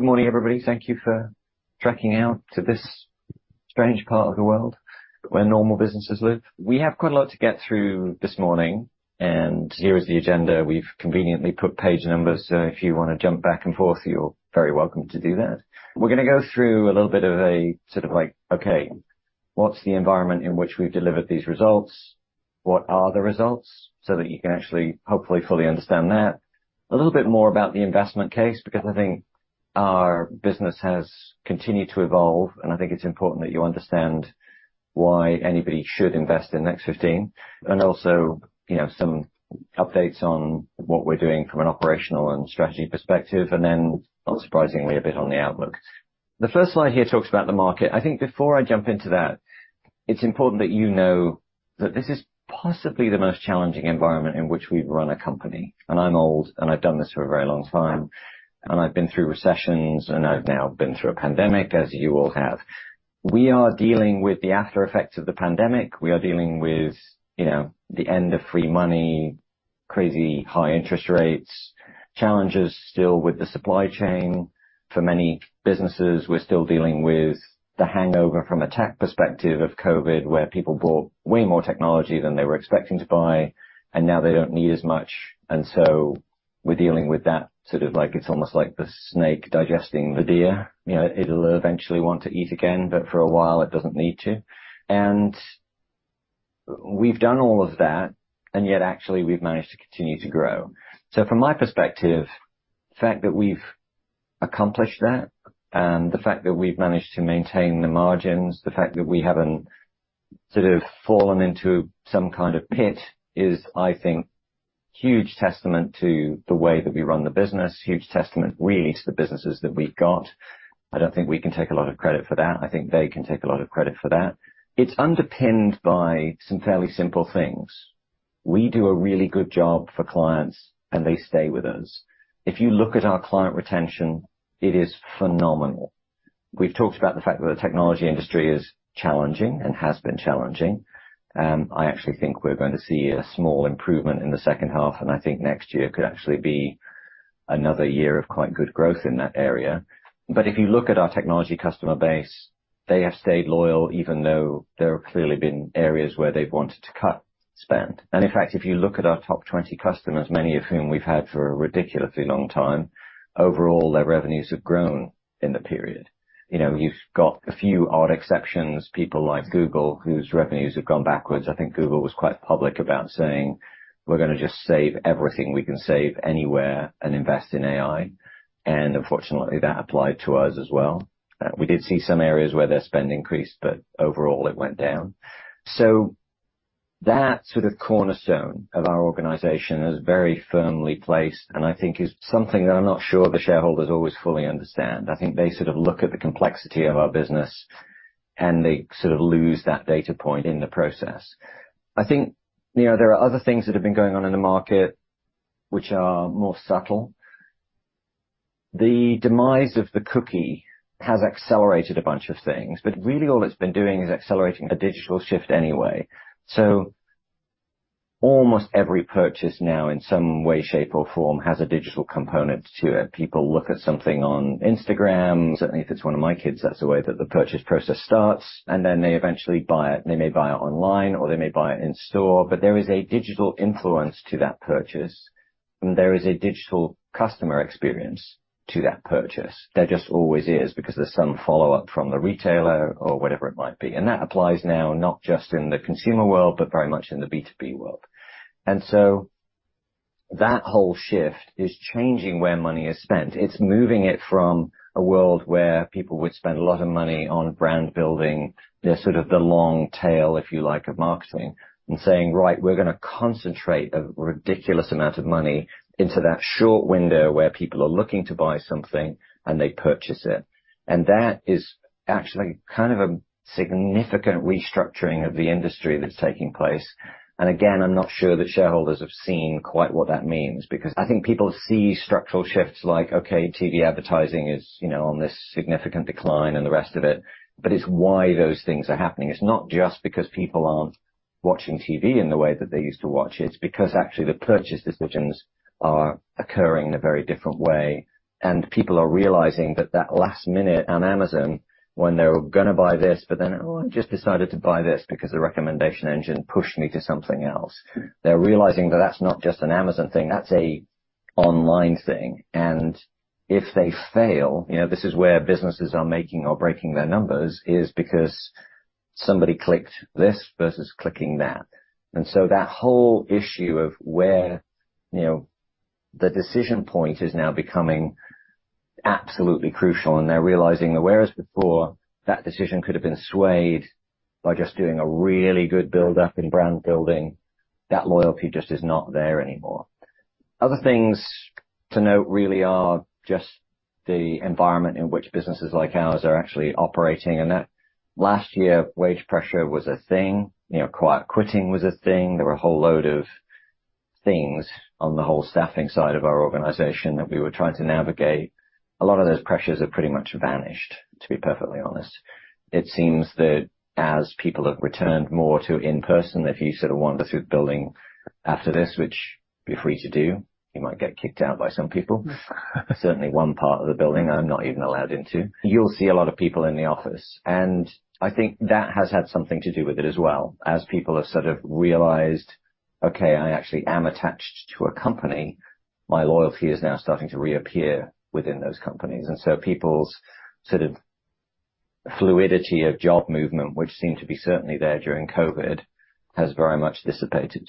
Good morning, everybody. Thank you for trekking out to this strange part of the world where normal businesses live. We have quite a lot to get through this morning, and here is the agenda. We've conveniently put page numbers, so if you want to jump back and forth, you're very welcome to do that. We're gonna go through a little bit of a sort of like: Okay, what's the environment in which we've delivered these results? What are the results? So that you can actually, hopefully, fully understand that. A little bit more about the investment case, because I think our business has continued to evolve, and I think it's important that you understand why anybody should invest in Next 15. And also, you know, some updates on what we're doing from an operational and strategy perspective, and then, not surprisingly, a bit on the outlook. The first slide here talks about the market. I think before I jump into that, it's important that you know that this is possibly the most challenging environment in which we've run a company. I'm old, and I've done this for a very long time, and I've been through recessions, and I've now been through a pandemic, as you all have. We are dealing with the aftereffects of the pandemic. We are dealing with, you know, the end of free money, crazy high interest rates, challenges still with the supply chain. For many businesses, we're still dealing with the hangover from a tech perspective of COVID, where people bought way more technology than they were expecting to buy, and now they don't need as much. We're dealing with that, sort of like, it's almost like the snake digesting the deer. You know, it'll eventually want to eat again, but for a while, it doesn't need to. And we've done all of that, and yet, actually, we've managed to continue to grow. So from my perspective, the fact that we've accomplished that and the fact that we've managed to maintain the margins, the fact that we haven't sort of fallen into some kind of pit, is, I think, huge testament to the way that we run the business, huge testament, really, to the businesses that we've got. I don't think we can take a lot of credit for that. I think they can take a lot of credit for that. It's underpinned by some fairly simple things. We do a really good job for clients, and they stay with us. If you look at our client retention, it is phenomenal. We've talked about the fact that the technology industry is challenging and has been challenging. I actually think we're going to see a small improvement in the second half, and I think next year could actually be another year of quite good growth in that area. But if you look at our technology customer base, they have stayed loyal, even though there have clearly been areas where they've wanted to cut spend. And in fact, if you look at our top 20 customers, many of whom we've had for a ridiculously long time, overall, their revenues have grown in the period. You know, you've got a few odd exceptions, people like Google, whose revenues have gone backwards. I think Google was quite public about saying: We're gonna just save everything we can save anywhere and invest in AI. And unfortunately, that applied to us as well. We did see some areas where their spend increased, but overall it went down. So that sort of cornerstone of our organization is very firmly placed, and I think is something that I'm not sure the shareholders always fully understand. I think they sort of look at the complexity of our business, and they sort of lose that data point in the process. I think, you know, there are other things that have been going on in the market which are more subtle. The demise of the cookie has accelerated a bunch of things, but really all it's been doing is accelerating a digital shift anyway. So almost every purchase now, in some way, shape, or form, has a digital component to it. People look at something on Instagram. Certainly, if it's one of my kids, that's the way that the purchase process starts, and then they eventually buy it. They may buy it online or they may buy it in store, but there is a digital influence to that purchase, and there is a digital customer experience to that purchase. There just always is, because there's some follow-up from the retailer or whatever it might be, and that applies now, not just in the consumer world, but very much in the B2B world. And so that whole shift is changing where money is spent. It's moving it from a world where people would spend a lot of money on brand building, you know, sort of the long tail, if you like, of marketing, and saying, "Right, we're gonna concentrate a ridiculous amount of money into that short window where people are looking to buy something and they purchase it." And that is actually kind of a significant restructuring of the industry that's taking place. And again, I'm not sure that shareholders have seen quite what that means, because I think people see structural shifts like, okay, TV advertising is, you know, on this significant decline and the rest of it, but it's why those things are happening. It's not just because people aren't watching TV in the way that they used to watch it. It's because actually the purchase decisions are occurring in a very different way, and people are realizing that that last minute on Amazon, when they were gonna buy this, but then, oh, I just decided to buy this because the recommendation engine pushed me to something else. They're realizing that that's not just an Amazon thing, that's a online thing, and if they fail, you know, this is where businesses are making or breaking their numbers, is because somebody clicked this versus clicking that. And so that whole issue of where, you know, the decision point is now becoming absolutely crucial, and they're realizing that whereas before that decision could have been swayed by just doing a really good build-up in brand building, that loyalty just is not there anymore. Other things to note, really are just the environment in which businesses like ours are actually operating, and that last year, wage pressure was a thing. You know, quiet quitting was a thing. There were a whole load of things on the whole staffing side of our organization that we were trying to navigate. A lot of those pressures have pretty much vanished, to be perfectly honest. It seems that as people have returned more to in-person, if you sort of wander through the building after this, which you're free to do, you might get kicked out by some people. Certainly one part of the building I'm not even allowed into. You'll see a lot of people in the office, and I think that has had something to do with it as well as people have sort of realized, "Okay, I actually am attached to a company. My loyalty is now starting to reappear within those companies." And so people's sort of fluidity of job movement, which seemed to be certainly there during COVID, has very much dissipated.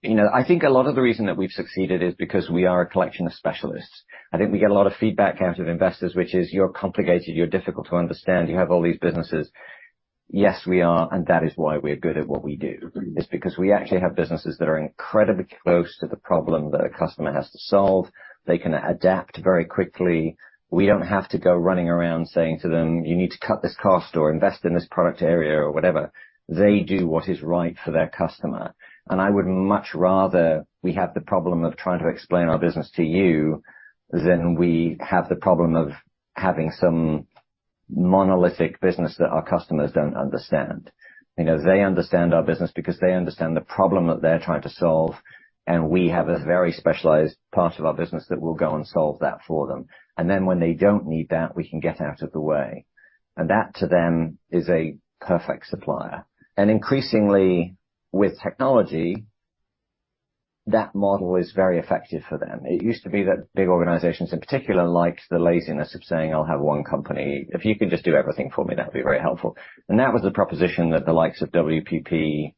You know, I think a lot of the reason that we've succeeded is because we are a collection of specialists. I think we get a lot of feedback out of investors, which is: You're complicated, you're difficult to understand. You have all these businesses. Yes, we are, and that is why we're good at what we do. It's because we actually have businesses that are incredibly close to the problem that a customer has to solve. They can adapt very quickly. We don't have to go running around saying to them, "You need to cut this cost or invest in this product area," or whatever. They do what is right for their customer, and I would much rather we have the problem of trying to explain our business to you than we have the problem of having some monolithic business that our customers don't understand. You know, they understand our business because they understand the problem that they're trying to solve, and we have a very specialized part of our business that will go and solve that for them. And then when they don't need that, we can get out of the way. And that, to them, is a perfect supplier. And increasingly, with technology, that model is very effective for them. It used to be that big organizations in particular, liked the laziness of saying, "I'll have one company. If you can just do everything for me, that would be very helpful." That was the proposition that the likes of WPP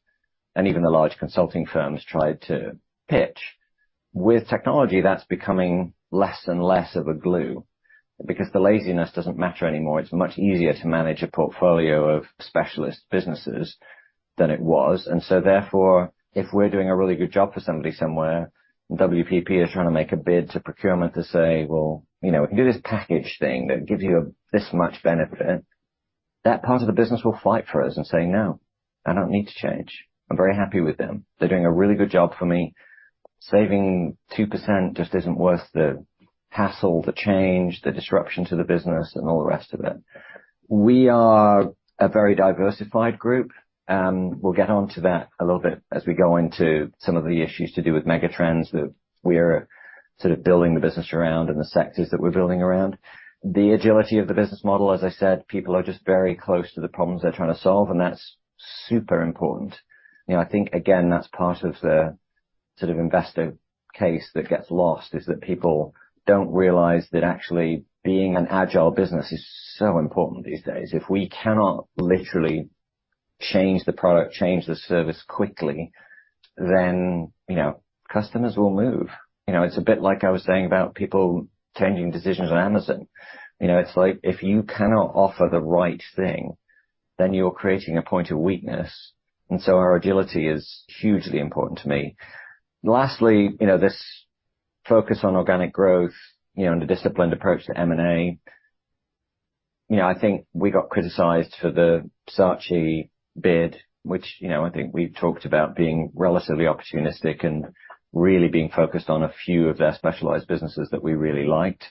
and even the large consulting firms tried to pitch. With technology, that's becoming less and less of a glue because the laziness doesn't matter anymore. It's much easier to manage a portfolio of specialist businesses than it was. So, therefore, if we're doing a really good job for somebody somewhere, and WPP is trying to make a bid to procurement to say, "Well, you know, we can do this package thing that gives you this much benefit," that part of the business will fight for us and say, "No, I don't need to change. I'm very happy with them. They're doing a really good job for me. Saving 2% just isn't worth the hassle, the change, the disruption to the business and all the rest of it." We are a very diversified group. We'll get on to that a little bit as we go into some of the issues to do with megatrends, that we're sort of building the business around and the sectors that we're building around. The agility of the business model. As I said, people are just very close to the problems they're trying to solve, and that's super important. You know, I think, again, that's part of the sort of investor case that gets lost, is that people don't realize that actually being an agile business is so important these days. If we cannot literally change the product, change the service quickly, then, you know, customers will move. You know, it's a bit like I was saying about people changing decisions on Amazon. You know, it's like if you cannot offer the right thing, then you're creating a point of weakness, and so our agility is hugely important to me. Lastly, you know, this focus on organic growth, you know, and the disciplined approach to M&A. You know, I think we got criticized for the Saatchi bid, which, you know, I think we've talked about being relatively opportunistic and really being focused on a few of their specialized businesses that we really liked.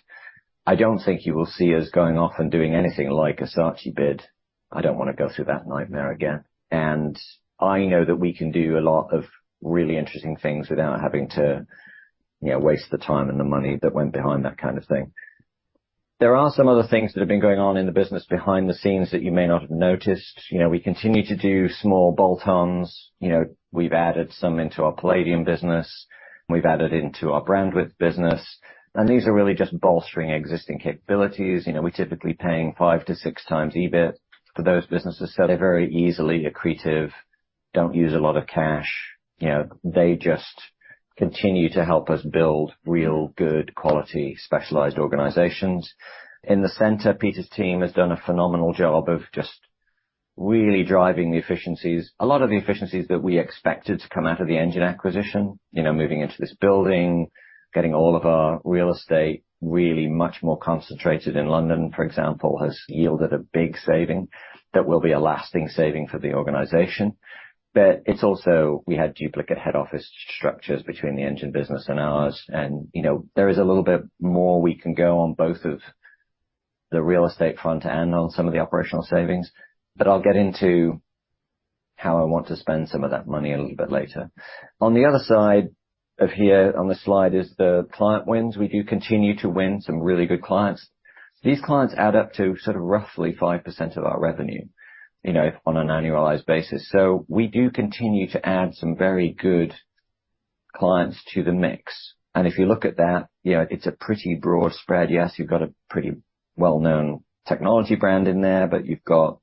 I don't think you will see us going off and doing anything like a Saatchi bid. I don't want to go through that nightmare again, and I know that we can do a lot of really interesting things without having to, you know, waste the time and the money that went behind that kind of thing. There are some other things that have been going on in the business behind the scenes that you may not have noticed. You know, we continue to do small bolt-ons. You know, we've added some into our Palladium business, we've added into our Brandwidth business, and these are really just bolstering existing capabilities. You know, we're typically paying 5-6x EBIT for those businesses, so they're very easily accretive, don't use a lot of cash. You know, they just continue to help us build real, good, quality, specialized organizations. In the center, Peter's team has done a phenomenal job of just really driving the efficiencies. A lot of the efficiencies that we expected to come out of the Engine acquisition, you know, moving into this building, getting all of our real estate really much more concentrated in London, for example, has yielded a big saving that will be a lasting saving for the organization. But it's also, we had duplicate head office structures between the Engine business and ours, and, you know, there is a little bit more we can go on, both of the real estate front and on some of the operational savings, but I'll get into how I want to spend some of that money a little bit later. On the other side of here, on the slide, is the client wins. We do continue to win some really good clients. These clients add up to sort of roughly 5% of our revenue, you know, on an annualized basis. So we do continue to add some very good clients to the mix. And if you look at that, you know, it's a pretty broad spread. Yes, you've got a pretty well-known technology brand in there, but you've got,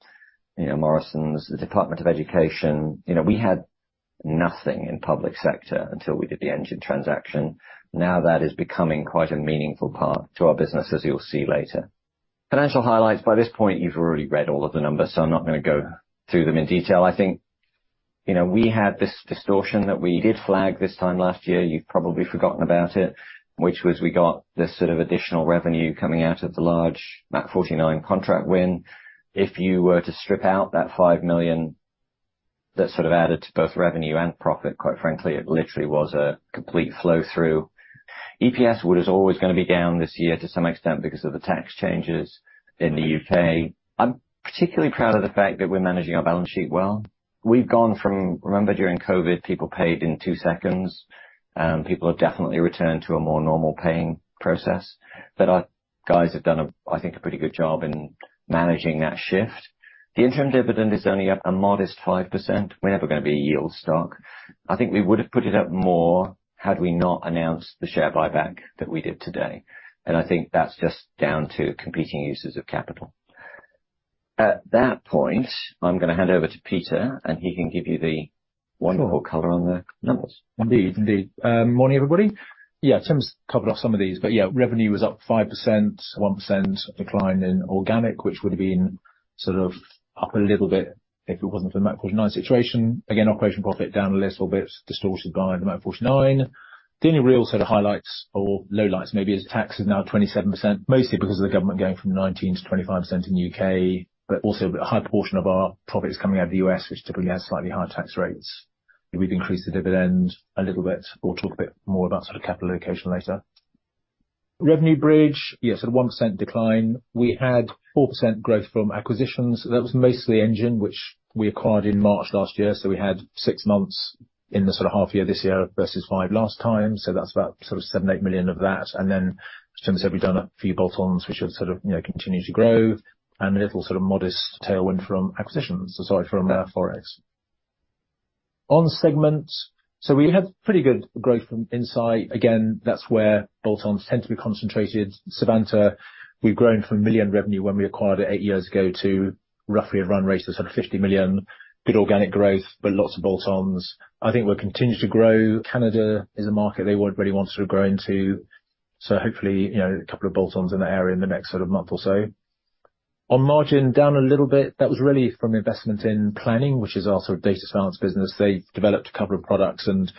you know, Morrisons, the Department for Education. You know, we had nothing in public sector until we did the Engine transaction. Now, that is becoming quite a meaningful part to our business, as you'll see later. Financial highlights. By this point, you've already read all of the numbers, so I'm not gonna go through them in detail. I think, you know, we had this distortion that we did flag this time last year. You've probably forgotten about it, which was we got this sort of additional revenue coming out of the large Mach49 contract win. If you were to strip out that 5 million that sort of added to both revenue and profit, quite frankly. It literally was a complete flow through. EPS was always going to be down this year to some extent, because of the tax changes in the U.K. I'm particularly proud of the fact that we're managing our balance sheet well. We've gone from. Remember, during COVID, people paid in two seconds, and people have definitely returned to a more normal paying process. But our guys have done a, I think, a pretty good job in managing that shift. The interim dividend is only up a modest 5%. We're never going to be a yield stock. I think we would have put it up more had we not announced the share buyback that we did today, and I think that's just down to competing uses of capital. At that point, I'm going to hand over to Peter, and he can give you the wonderful color on the numbers. Indeed, indeed. Morning, everybody. Yeah, Tim's covered off some of these, but, yeah, revenue was up 5%, 1% decline in organic, which would have been sort of up a little bit if it wasn't for the Mach49 situation. Again, operating profit down a little bit, distorted by the Mach49. The only real sort of highlights or lowlights maybe is tax is now 27%, mostly because of the government going from 19%-25% in the U.K., but also a high proportion of our profits coming out of the U.S., which typically has slightly higher tax rates. We've increased the dividend a little bit. We'll talk a bit more about sort of capital allocation later. Revenue bridge, yes, at 1% decline, we had 4% growth from acquisitions. That was mostly Engine, which we acquired in March last year, so we had six months in the sort of half year this year versus five last time. So that's about sort of 7-8 million of that. And then, as Tim said, we've done a few bolt-ons, which have sort of, you know, continued to grow, and a little sort of modest tailwind from acquisitions, so, sorry, from Forex. On segments, so we had pretty good growth from inside. Again, that's where bolt-ons tend to be concentrated. Savanta, we've grown from 1 million revenue when we acquired it eight years ago to roughly around rates of 50 million. Good organic growth, but lots of bolt-ons. I think we'll continue to grow. Canada is a market they would really want to grow into, so hopefully, you know, a couple of bolt-ons in that area in the next sort of month or so. On margin, down a little bit, that was really from investment in Plinc, which is our sort of data science business. They've developed a couple of products, and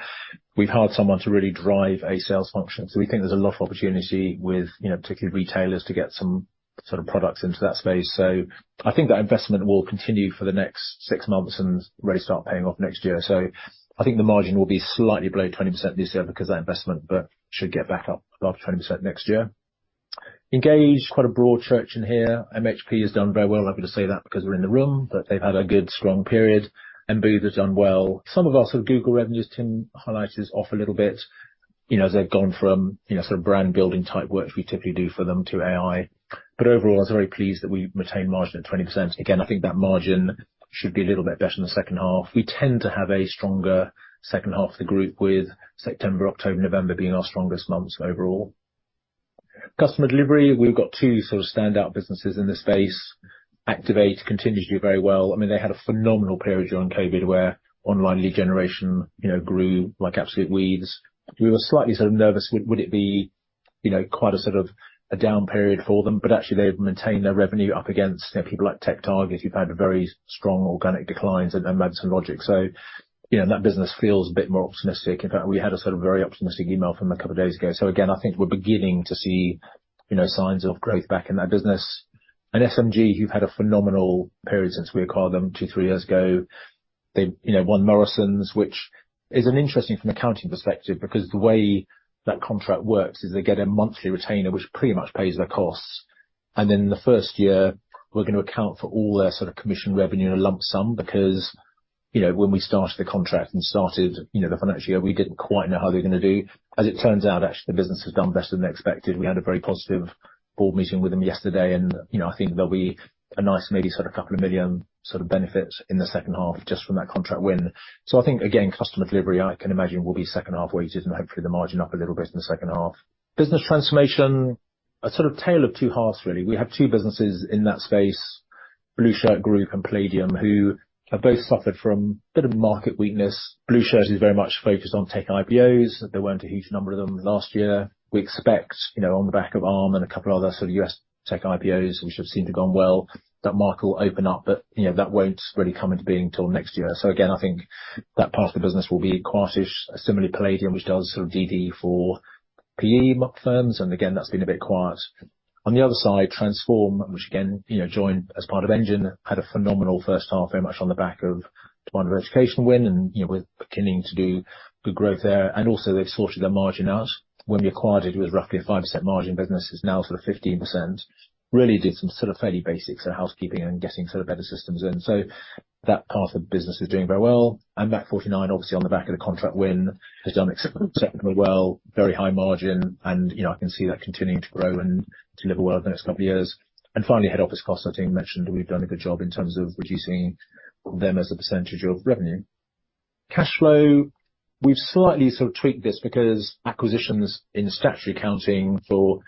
we've hired someone to really drive a sales function. So we think there's a lot of opportunity with, you know, particularly retailers, to get some sort of products into that space. So I think that investment will continue for the next six months and really start paying off next year. So I think the margin will be slightly below 20% this year because of that investment, but should get back up above 20% next year. Engine, quite a broad church in here. MHP has done very well. Happy to say that because they're in the room, but they've had a good, strong period, M Booth has done well. Some of our sort of Google revenues, Tim highlighted, is off a little bit, you know, as they've gone from, you know, sort of brand building type work we typically do for them to AI. But overall, I was very pleased that we retained margin at 20%. Again, I think that margin should be a little bit better in the second half. We tend to have a stronger second half of the group, with September, October, November being our strongest months overall. Customer delivery, we've got two sort of standout businesses in this space. Activate continued to do very well. I mean, they had a phenomenal period during COVID, where online lead generation, you know, grew like absolute weeds. We were slightly sort of nervous, would it be, you know, quite a sort of a down period for them? But actually, they've maintained their revenue up against, you know, people like TechTarget, who've had a very strong organic declines in Media Logic. So, you know, that business feels a bit more optimistic. In fact, we had a sort of very optimistic email from them a couple of days ago. So again, I think we're beginning to see, you know, signs of growth back in that business. And SMG, who've had a phenomenal period since we acquired them two, three years ago. They, you know, won Morrisons, which is an interesting from an accounting perspective, because the way that contract works is they get a monthly retainer, which pretty much pays their costs. And then in the first year, we're going to account for all their sort of commission revenue in a lump sum, because, you know, when we started the contract and started, you know, the financial year, we didn't quite know how they were going to do. As it turns out, actually, the business has done better than expected. We had a very positive board meeting with them yesterday, and, you know, I think there'll be a nice, maybe, sort of couple of million sort of benefits in the second half just from that contract win. So I think, again, customer delivery, I can imagine, will be second half weighted and hopefully the margin up a little bit in the second half. Business transformation, a sort of tale of two halves, really. We have two businesses in that space, Blueshirt Group and Palladium, who have both suffered from a bit of market weakness. Blueshirt Group is very much focused on tech IPOs. There weren't a huge number of them last year. We expect, you know, on the back of Arm and a couple of other sort of U.S. tech IPOs, which have seemed to have gone well, that market will open up, but, you know, that won't really come into being till next year. So again, I think that part of the business will be quietish. Similarly, Palladium, which does sort of DD for PE firms, and again, that's been a bit quiet. On the other side, Transform, which again, you know, joined as part of Engine, had a phenomenal first half, very much on the back of the Department for Education win, and, you know, we're beginning to do good growth there. And also, they've sorted their margin out. When we acquired it, it was roughly a 5% margin business. It's now sort of 15%. Really did some sort of fairly basic sort of housekeeping and getting sort of better systems in. So that part of the business is doing very well. And Mach49, obviously on the back of the contract win, has done exceptionally well, very high margin and, you know, I can see that continuing to grow and deliver well in the next couple of years. Finally, head office costs, I think I mentioned we've done a good job in terms of reducing them as a percentage of revenue. Cash flow, we've slightly sort of tweaked this because acquisitions in statutory accounting for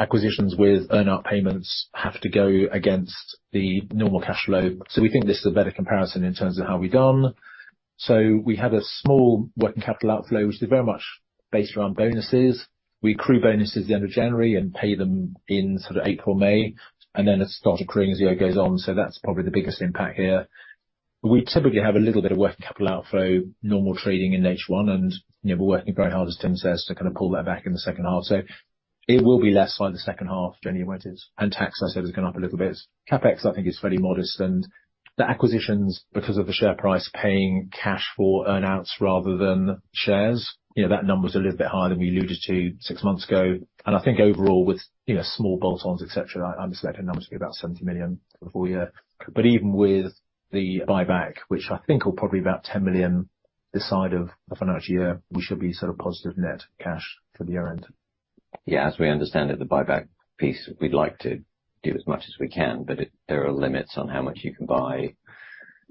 acquisitions with earn-out payments have to go against the normal cash flow. So we think this is a better comparison in terms of how we've done. So we had a small working capital outflow, which is very much based around bonuses. We accrue bonuses at the end of January and pay them in sort of April, May, and then it start accruing as the year goes on. So that's probably the biggest impact here. We typically have a little bit of working capital outflow, normal trading in H1, and, you know, we're working very hard, as Tim says, to kind of pull that back in the second half. So it will be less by the second half, genuine wages and tax, I said, has gone up a little bit. CapEx, I think, is fairly modest, and the acquisitions, because of the share price, paying cash for earn-outs rather than shares, you know, that number is a little bit higher than we alluded to six months ago. And I think overall, with, you know, small bolt-ons, et cetera, I'm expecting numbers to be about 70 million for the full year. But even with the buyback, which I think will probably be about 10 million, this side of the financial year, we should be sort of positive net cash for the year end. Yeah, as we understand it, the buyback piece, we'd like to do as much as we can, but it, there are limits on how much you can buy,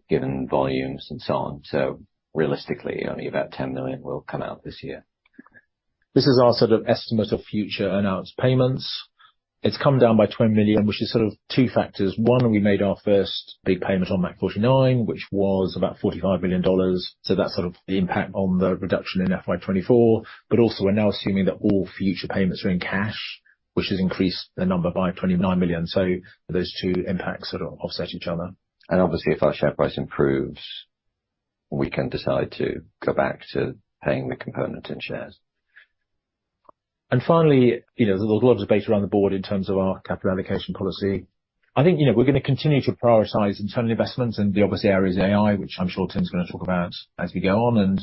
given volumes and so on. So realistically, only about 10 million will come out this year. This is our sort of estimate of future earn-outs payments. It's come down by $20 million, which is sort of two factors. One, we made our first big payment on Mach49, which was about $45 million. So that's sort of the impact on the reduction in FY 2024. But also, we're now assuming that all future payments are in cash, which has increased the number by $29 million. So those two impacts sort of offset each other. Obviously, if our share price improves, we can decide to go back to paying the component in shares. Finally, you know, there was a lot of debate around the board in terms of our capital allocation policy. I think, you know, we're gonna continue to prioritize internal investments and the obvious area is AI, which I'm sure Tim's gonna talk about as we go on.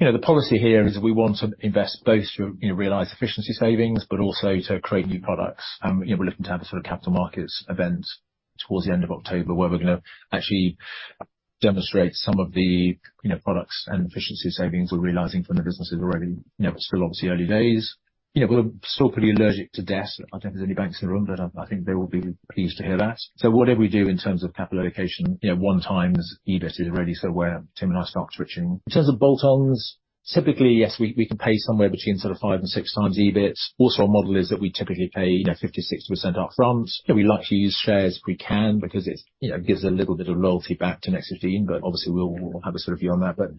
You know, the policy here is we want to invest both to, you know, realize efficiency savings, but also to create new products. You know, we're looking to have a sort of capital markets event towards the end of October, where we're gonna actually demonstrate some of the, you know, products and efficiency savings we're realizing from the businesses already. You know, it's still obviously early days. You know, we're still pretty allergic to debt. I don't think there's any banks in the room, but I think they will be pleased to hear that. So whatever we do in terms of capital allocation, you know, 1x EBIT is already somewhere Tim and I start switching. In terms of bolt-ons, typically, yes, we, we can pay somewhere between sort of 5-6x EBIT. Also, our model is that we typically pay, you know, 50%-60% up front. Yeah, we like to use shares if we can, because it, you know, gives a little bit of loyalty back to Next 15, but obviously we'll have a sort of view on that. But,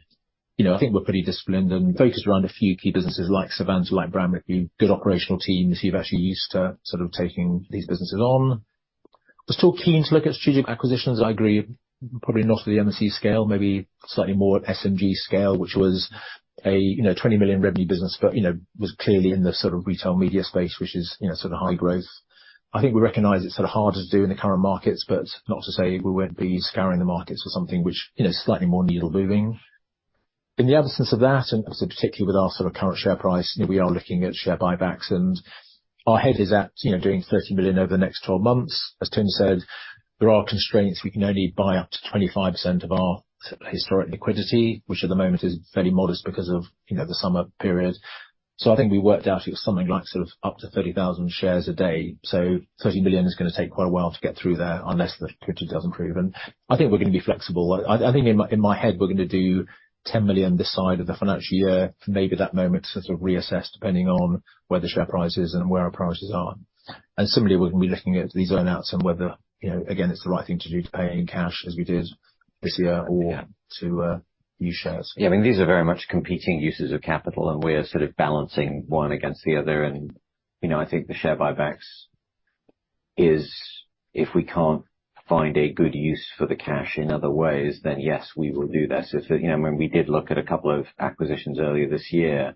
you know, I think we're pretty disciplined and focused around a few key businesses like Savanta, like BrandVue, good operational teams who've actually used to sort of taking these businesses on. We're still keen to look at strategic acquisitions. I agree, probably not at the M&C scale, maybe slightly more at SMG scale, which was a, you know, 20 million revenue business, but, you know, was clearly in the sort of retail media space, which is, you know, sort of high growth. I think we recognize it's sort of harder to do in the current markets, but not to say we won't be scouring the markets for something which, you know, is slightly more needle moving. In the absence of that, and obviously particularly with our sort of current share price, you know, we are looking at share buybacks, and our head is at, you know, doing 30 million over the next 12 months. As Tim said, there are constraints. We can only buy up to 25% of our historic liquidity, which at the moment is fairly modest because of, you know, the summer period. So I think we worked out it was something like sort of up to 30,000 shares a day. So 30 million is gonna take quite a while to get through there, unless the liquidity doesn't improve, and I think we're gonna be flexible. I think in my head, we're gonna do 10 million this side of the financial year. Maybe that moment to sort of reassess, depending on where the share price is and where our priorities are. And similarly, we're gonna be looking at these earn-outs and whether, you know, again, it's the right thing to do to pay in cash as we did this year or to use shares. Yeah, I mean, these are very much competing uses of capital, and we're sort of balancing one against the other. And, you know, I think the share buybacks is if we can't find a good use for the cash in other ways, then yes, we will do this. If, you know, when we did look at a couple of acquisitions earlier this year,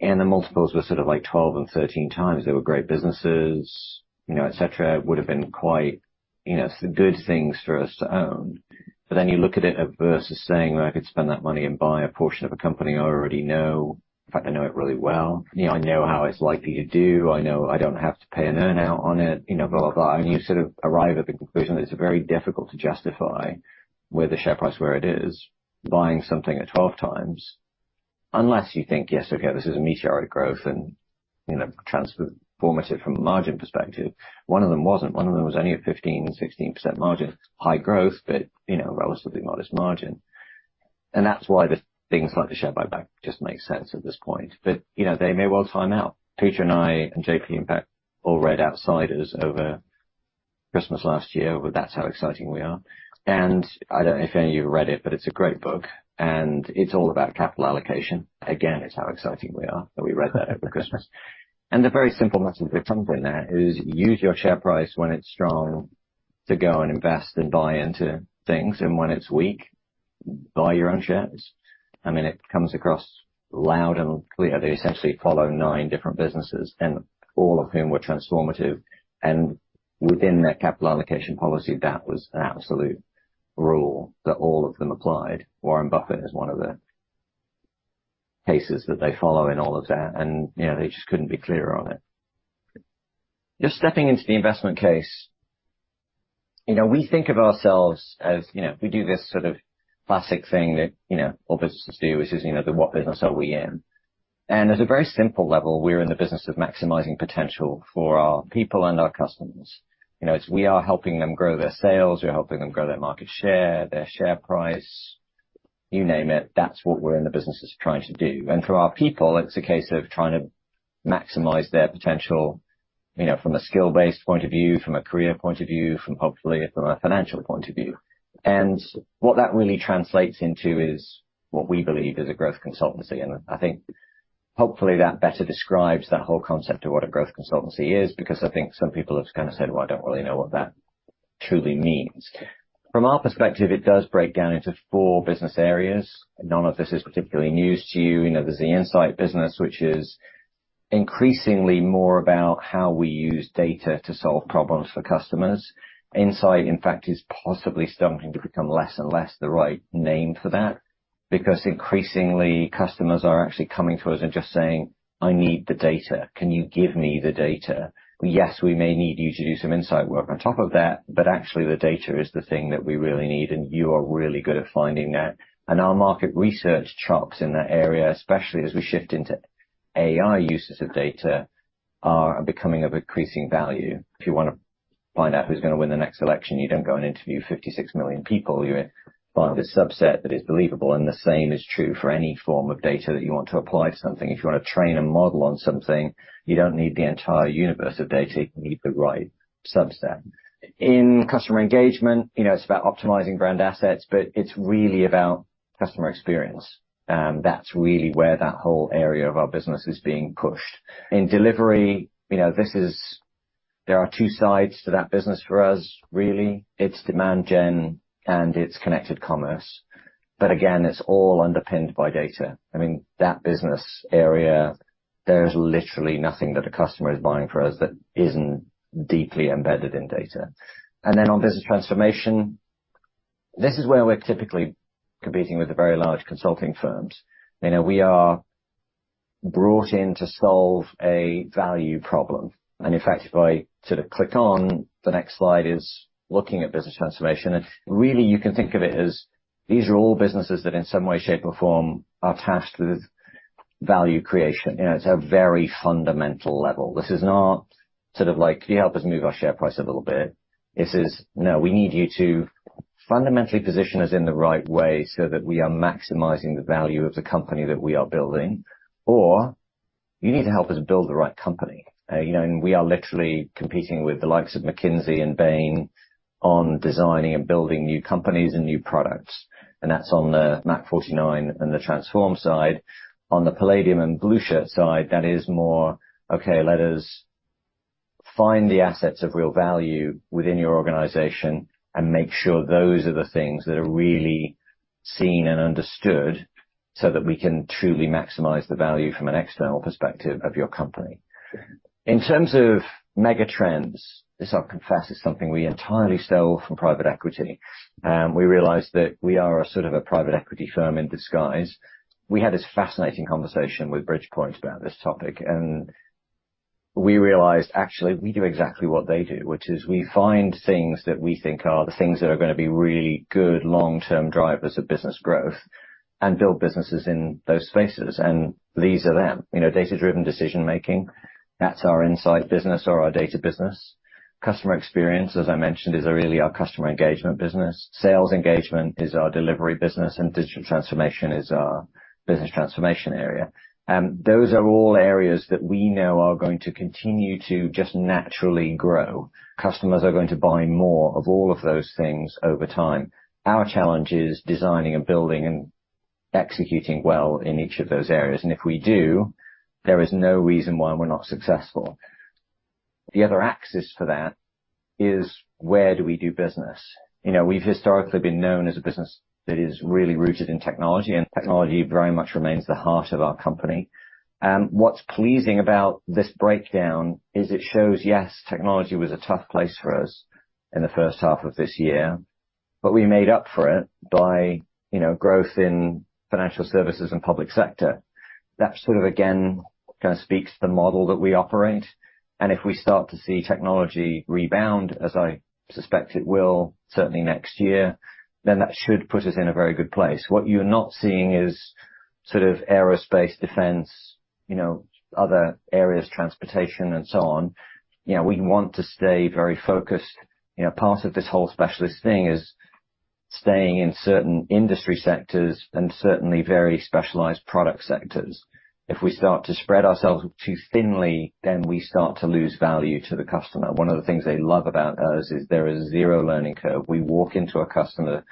and the multiples were sort of like 12x and 13x, they were great businesses, you know, et cetera. It would have been quite, you know, some good things for us to own. But then you look at it versus saying, "Well, I could spend that money and buy a portion of a company I already know. In fact, I know it really well. You know, I know how it's likely to do. I know I don't have to pay an earn-out on it," you know, blah, blah, blah. I mean, you sort of arrive at the conclusion that it's very difficult to justify with the share price where it is, buying something at 12x, unless you think, yes, okay, this is a meteoric growth and, you know, transformative from a margin perspective. One of them wasn't. One of them was only a 15%-16% margin. High growth, but you know, relatively modest margin. And that's why the things like the share buyback just makes sense at this point. But, you know, they may well time out. Peter and I, and JP, in fact, all read Outsiders over Christmas last year. Well, that's how exciting we are, and I don't know if any of you read it, but it's a great book, and it's all about capital allocation. Again, it's how exciting we are that we read that over Christmas. The very simple message that comes in there is: Use your share price when it's strong to go and invest and buy into things, and when it's weak, buy your own shares. I mean, it comes across loud and clear. They essentially follow nine different businesses and all of whom were transformative, and within their capital allocation policy, that was an absolute rule that all of them applied. Warren Buffett is one of the cases that they follow in all of that, and, you know, they just couldn't be clearer on it. Just stepping into the investment case, you know, we think of ourselves as, you know, we do this sort of classic thing that, you know, all businesses do, which is, you know, the what business are we in? And at a very simple level, we're in the business of maximizing potential for our people and our customers. You know, it's we are helping them grow their sales, we're helping them grow their market share, their share price, you name it. That's what we're in the business of trying to do. And for our people, it's a case of trying to maximize their potential, you know, from a skill-based point of view, from a career point of view, from hopefully from a financial point of view. And what that really translates into is what we believe is a growth consultancy. And I think hopefully that better describes that whole concept of what a growth consultancy is, because I think some people have kind of said: "Well, I don't really know what that truly means." From our perspective, it does break down into four business areas. None of this is particularly news to you. You know, there's the insight business, which is increasingly more about how we use data to solve problems for customers. Insight, in fact, is possibly starting to become less and less the right name for that, because increasingly, customers are actually coming to us and just saying, "I need the data. Can you give me the data? Yes, we may need you to do some insight work on top of that, but actually, the data is the thing that we really need, and you are really good at finding that." And our market research chops in that area, especially as we shift into AI uses of data, are becoming of increasing value. If you wanna find out who's gonna win the next election, you don't go and interview 56 million people. You find a subset that is believable, and the same is true for any form of data that you want to apply something. If you want to train a model on something, you don't need the entire universe of data, you need the right subset. In customer engagement, you know, it's about optimizing brand assets, but it's really about customer experience. And that's really where that whole area of our business is being pushed. In delivery, you know, this is, there are two sides to that business for us, really. It's demand gen, and it's connected commerce. But again, it's all underpinned by data. I mean, that business area, there is literally nothing that a customer is buying from us that isn't deeply embedded in data. And then on business transformation, this is where we're typically competing with the very large consulting firms. You know, we are brought in to solve a value problem. And in fact, if I sort of click on, the next slide is looking at business transformation. And really, you can think of it as these are all businesses that, in some way, shape, or form, are tasked with value creation. You know, it's a very fundamental level. This is not sort of like, "Can you help us move our share price a little bit?" This is, "No, we need you to fundamentally position us in the right way so that we are maximizing the value of the company that we are building," or, "You need to help us build the right company." You know, and we are literally competing with the likes of McKinsey and Bain on designing and building new companies and new products, and that's on the Mach49 and the Transform side. On the Palladium and Blueshirt side, that is more, "Okay, let us find the assets of real value within your organization and make sure those are the things that are really seen and understood, so that we can truly maximize the value from an external perspective of your company." In terms of mega trends, this, I'll confess, is something we entirely stole from private equity. We realized that we are a sort of a private equity firm in disguise. We had this fascinating conversation with Bridgepoint about this topic, and we realized, actually, we do exactly what they do, which is we find things that we think are the things that are gonna be really good long-term drivers of business growth and build businesses in those spaces, and these are them. You know, data-driven decision-making, that's our insight business or our data business. Customer experience, as I mentioned, is really our customer engagement business. Sales engagement is our delivery business, and digital transformation is our business transformation area. Those are all areas that we know are going to continue to just naturally grow. Customers are going to buy more of all of those things over time. Our challenge is designing and building and executing well in each of those areas, and if we do, there is no reason why we're not successful. The other axis for that is: Where do we do business? You know, we've historically been known as a business that is really rooted in technology, and technology very much remains the heart of our company. What's pleasing about this breakdown is it shows, yes, technology was a tough place for us in the first half of this year, but we made up for it by, you know, growth in financial services and public sector. That sort of, again, kind of speaks to the model that we operate, and if we start to see technology rebound, as I suspect it will certainly next year, then that should put us in a very good place. What you're not seeing is sort of aerospace, defense, you know, other areas, transportation and so on. You know, we want to stay very focused. You know, part of this whole specialist thing is staying in certain industry sectors and certainly very specialized product sectors. If we start to spread ourselves too thinly, then we start to lose value to the customer. One of the things they love about us is there is zero learning curve. We walk into a customer,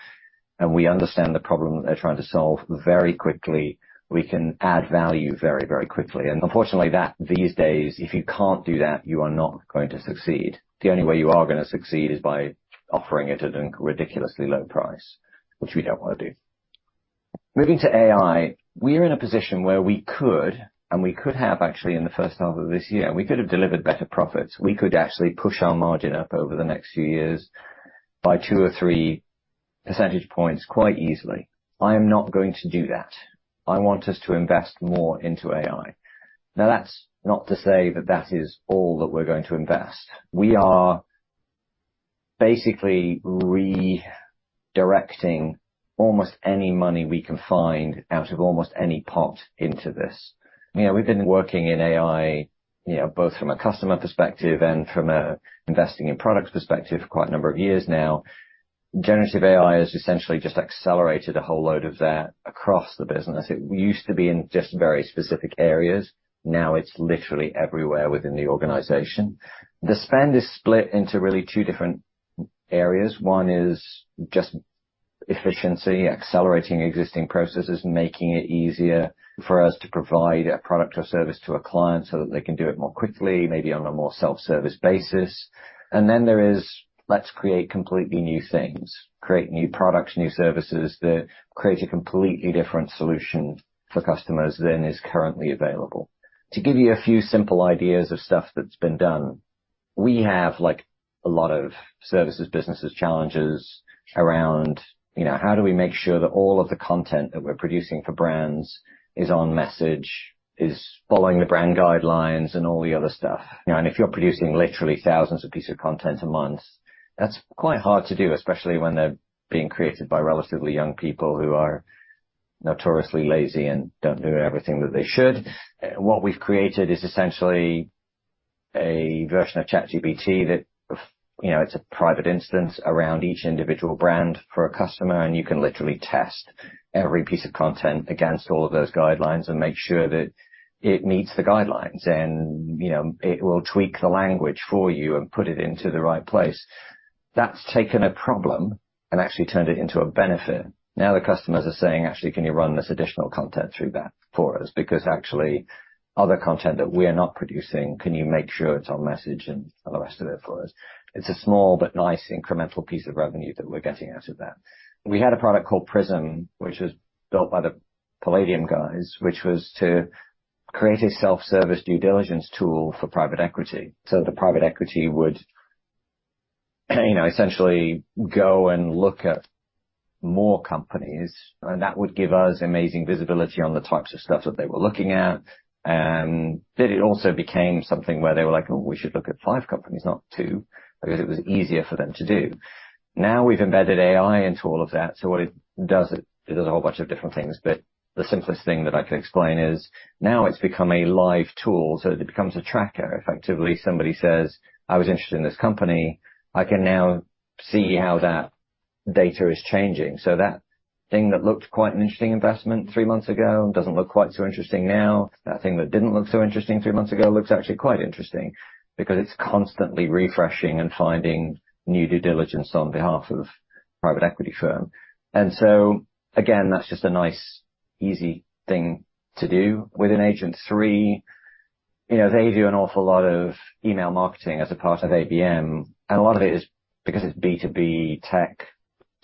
and we understand the problem that they're trying to solve very quickly. We can add value very, very quickly, and unfortunately, that, these days, if you can't do that, you are not going to succeed. The only way you are gonna succeed is by offering it at a ridiculously low price, which we don't want to do. Moving to AI, we are in a position where we could, and we could have actually in the first half of this year, we could have delivered better profits. We could actually push our margin up over the next few years by two or three percentage points quite easily. I am not going to do that. I want us to invest more into AI. Now, that's not to say that that is all that we're going to invest. We are basically redirecting almost any money we can find out of almost any pot into this. You know, we've been working in AI, you know, both from a customer perspective and from an investing in products perspective for quite a number of years now. Generative AI has essentially just accelerated a whole load of that across the business. It used to be in just very specific areas. Now, it's literally everywhere within the organization. The spend is split into really two different areas. One is just efficiency, accelerating existing processes, making it easier for us to provide a product or service to a client so that they can do it more quickly, maybe on a more self-service basis. And then there is, let's create completely new things, create new products, new services, that create a completely different solution for customers than is currently available. To give you a few simple ideas of stuff that's been done, we have, like, a lot of services, businesses, challenges around, you know, how do we make sure that all of the content that we're producing for brands is on message, is following the brand guidelines and all the other stuff? You know, and if you're producing literally thousands of pieces of content a month, that's quite hard to do, especially when they're being created by relatively young people who are notoriously lazy and don't do everything that they should. What we've created is essentially a version of ChatGPT that, you know, it's a private instance around each individual brand for a customer, and you can literally test every piece of content against all of those guidelines and make sure that it meets the guidelines and, you know, it will tweak the language for you and put it into the right place. That's taken a problem and actually turned it into a benefit. Now, the customers are saying, "Actually, can you run this additional content through that for us? Because actually other content that we're not producing, can you make sure it's on message and all the rest of it for us?" It's a small but nice incremental piece of revenue that we're getting out of that. We had a product called Prism, which was built by the Palladium guys, which was to create a self-service due diligence tool for private equity. So the private equity would, you know, essentially go and look at more companies, and that would give us amazing visibility on the types of stuff that they were looking at. And then it also became something where they were like, "Oh, we should look at five companies, not two," because it was easier for them to do. Now, we've embedded AI into all of that. So what it does, it does a whole bunch of different things, but the simplest thing that I can explain is now it's become a live tool, so it becomes a tracker. Effectively, somebody says, "I was interested in this company. I can now see how that data is changing." So that thing that looked quite an interesting investment three months ago doesn't look quite so interesting now. That thing that didn't look so interesting three months ago looks actually quite interesting because it's constantly refreshing and finding new due diligence on behalf of private equity firm. And so, again, that's just a nice, easy thing to do. With Agent3, you know, they do an awful lot of email marketing as a part of ABM, and a lot of it is because it's B2B tech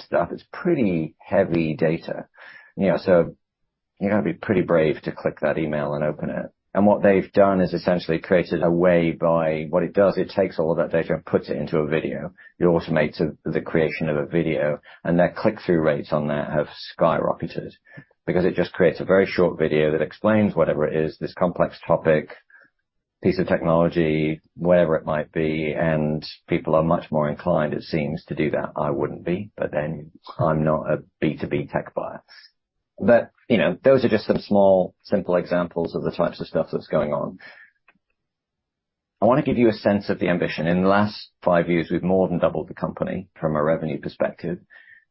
stuff. It's pretty heavy data, you know, so you're going to be pretty brave to click that email and open it. And what they've done is essentially created a way by... What it does, it takes all of that data and puts it into a video. It automates the creation of a video, and their click-through rates on that have skyrocketed because it just creates a very short video that explains whatever it is, this complex topic, piece of technology, whatever it might be, and people are much more inclined, it seems, to do that. I wouldn't be, but then I'm not a B2B tech buyer. But, you know, those are just some small, simple examples of the types of stuff that's going on. I want to give you a sense of the ambition. In the last five years, we've more than doubled the company from a revenue perspective.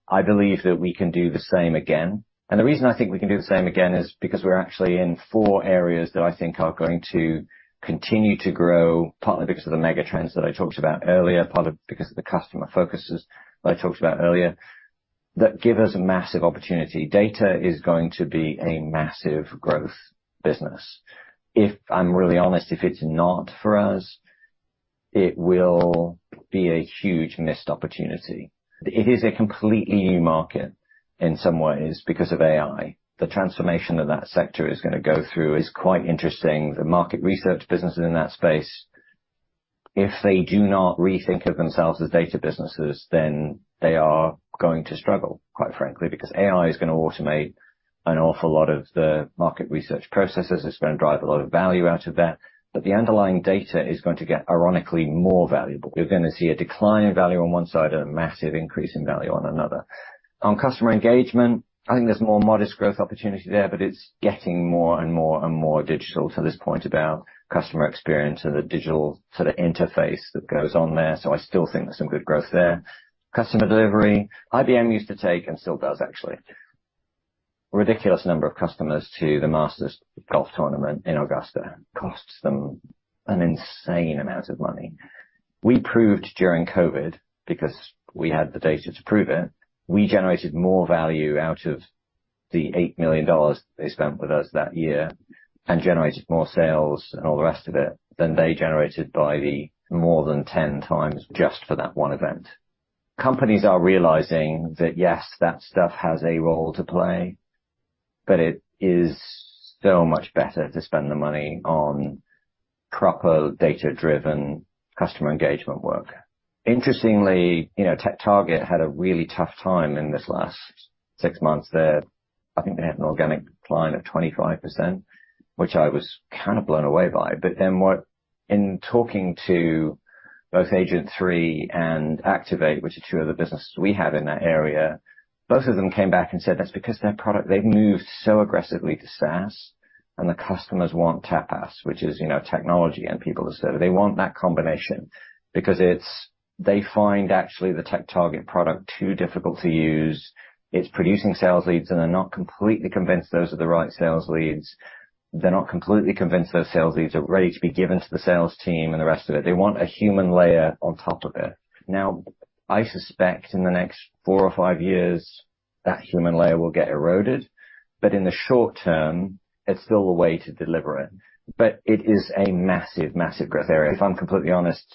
I believe that we can do the same again. The reason I think we can do the same again is because we're actually in four areas that I think are going to continue to grow, partly because of the mega trends that I talked about earlier, partly because of the customer focuses that I talked about earlier, that give us a massive opportunity. Data is going to be a massive growth business. If I'm really honest, if it's not for us, it will be a huge missed opportunity. It is a completely new market in some ways, because of AI. The transformation that that sector is going to go through is quite interesting. The market research businesses in that space, if they do not rethink of themselves as data businesses, then they are going to struggle, quite frankly, because AI is going to automate an awful lot of the market research processes. It's going to drive a lot of value out of that, but the underlying data is going to get, ironically, more valuable. We're going to see a decline in value on one side and a massive increase in value on another. On customer engagement, I think there's more modest growth opportunity there, but it's getting more and more and more digital to this point about customer experience and the digital sort of interface that goes on there. So I still think there's some good growth there. Customer delivery. IBM used to take, and still does actually, a ridiculous number of customers to the Masters golf tournament in Augusta. Costs them an insane amount of money. We proved during COVID, because we had the data to prove it, we generated more value out of the $8 million they spent with us that year, and generated more sales and all the rest of it, than they generated by the more than 10x just for that one event. Companies are realizing that, yes, that stuff has a role to play, but it is so much better to spend the money on proper data-driven customer engagement work. Interestingly, you know, TechTarget had a really tough time in this last six months there. I think they had an organic decline of 25%, which I was kind of blown away by. In talking to both Agent3 and Activate, which are two other businesses we have in that area, both of them came back and said that's because their product, they've moved so aggressively to SaaS, and the customers want TPaaS, which is, you know, technology and people. So they want that combination because it's-- they find actually the TechTarget product too difficult to use. It's producing sales leads, and they're not completely convinced those are the right sales leads. They're not completely convinced those sales leads are ready to be given to the sales team and the rest of it. They want a human layer on top of it. Now, I suspect in the next four or five years, that human layer will get eroded, but in the short term, it's still the way to deliver it. But it is a massive, massive growth area. If I'm completely honest,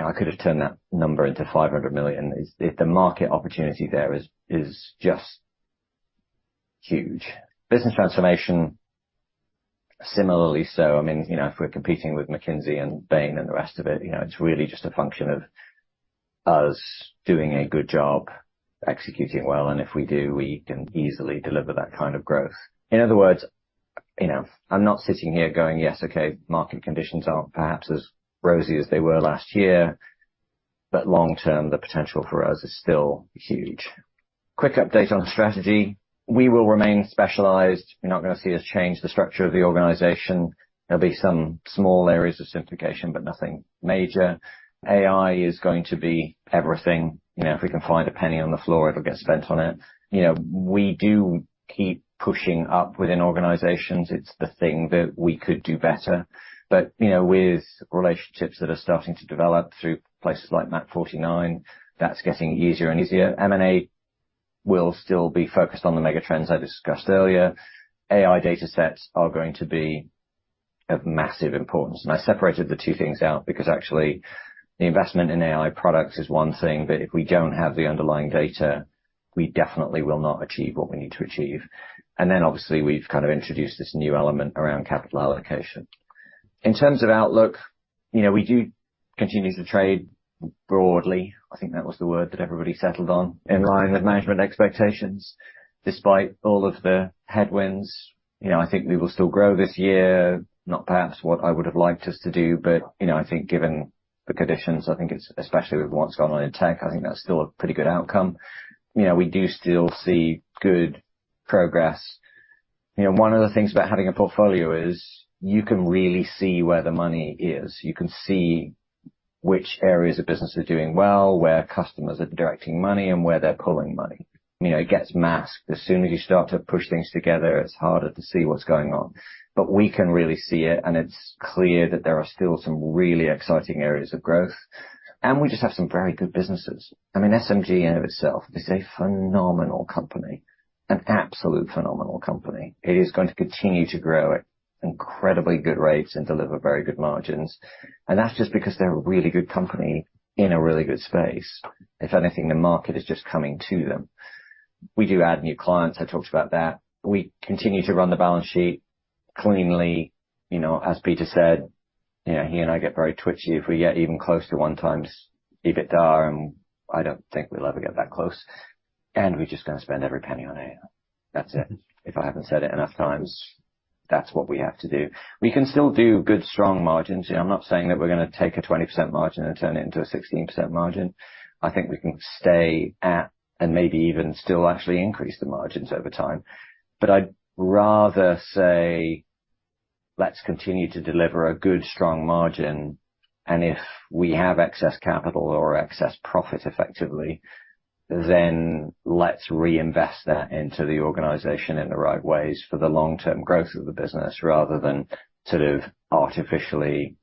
I could have turned that number into 500 million. It's the market opportunity there is just huge. Business transformation, similarly so. I mean, you know, if we're competing with McKinsey and Bain and the rest of it, you know, it's really just a function of us doing a good job, executing well, and if we do, we can easily deliver that kind of growth. In other words, you know, I'm not sitting here going: Yes, okay, market conditions aren't perhaps as rosy as they were last year, but long term, the potential for us is still huge. Quick update on strategy. We will remain specialized. You're not gonna see us change the structure of the organization. There'll be some small areas of simplification, but nothing major. AI is going to be everything. You know, if we can find a penny on the floor, it'll get spent on it. You know, we do keep pushing up within organizations. It's the thing that we could do better, but, you know, with relationships that are starting to develop through places like Mach49, that's getting easier and easier. M&A will still be focused on the mega trends I discussed earlier. AI data sets are going to be of massive importance, and I separated the two things out because actually, the investment in AI products is one thing, but if we don't have the underlying data, we definitely will not achieve what we need to achieve. And then, obviously, we've kind of introduced this new element around capital allocation. In terms of outlook, you know, we do continue to trade broadly. I think that was the word that everybody settled on, in line with management expectations, despite all of the headwinds. You know, I think we will still grow this year. Not perhaps what I would have liked us to do, but, you know, I think given the conditions, I think it's... Especially with what's going on in tech, I think that's still a pretty good outcome. You know, we do still see good progress. You know, one of the things about having a portfolio is you can really see where the money is. You can see which areas of business are doing well, where customers are directing money, and where they're pulling money. You know, it gets masked. As soon as you start to push things together, it's harder to see what's going on. We can really see it, and it's clear that there are still some really exciting areas of growth, and we just have some very good businesses. I mean, SMG in and of itself is a phenomenal company, an absolute phenomenal company. It is going to continue to grow at incredibly good rates and deliver very good margins, and that's just because they're a really good company in a really good space. If anything, the market is just coming to them. We do add new clients. I talked about that. We continue to run the balance sheet cleanly. You know, as Peter said, you know, he and I get very twitchy if we get even close to 1x EBITDA, and I don't think we'll ever get that close, and we're just gonna spend every penny on AI. That's it. If I haven't said it enough times, that's what we have to do. We can still do good, strong margins. You know, I'm not saying that we're gonna take a 20% margin and turn it into a 16% margin. I think we can stay at and maybe even still actually increase the margins over time. But I'd rather say, let's continue to deliver a good, strong margin, and if we have excess capital or excess profit, effectively, then let's reinvest that into the organization in the right ways for the long-term growth of the business, rather than sort of artificially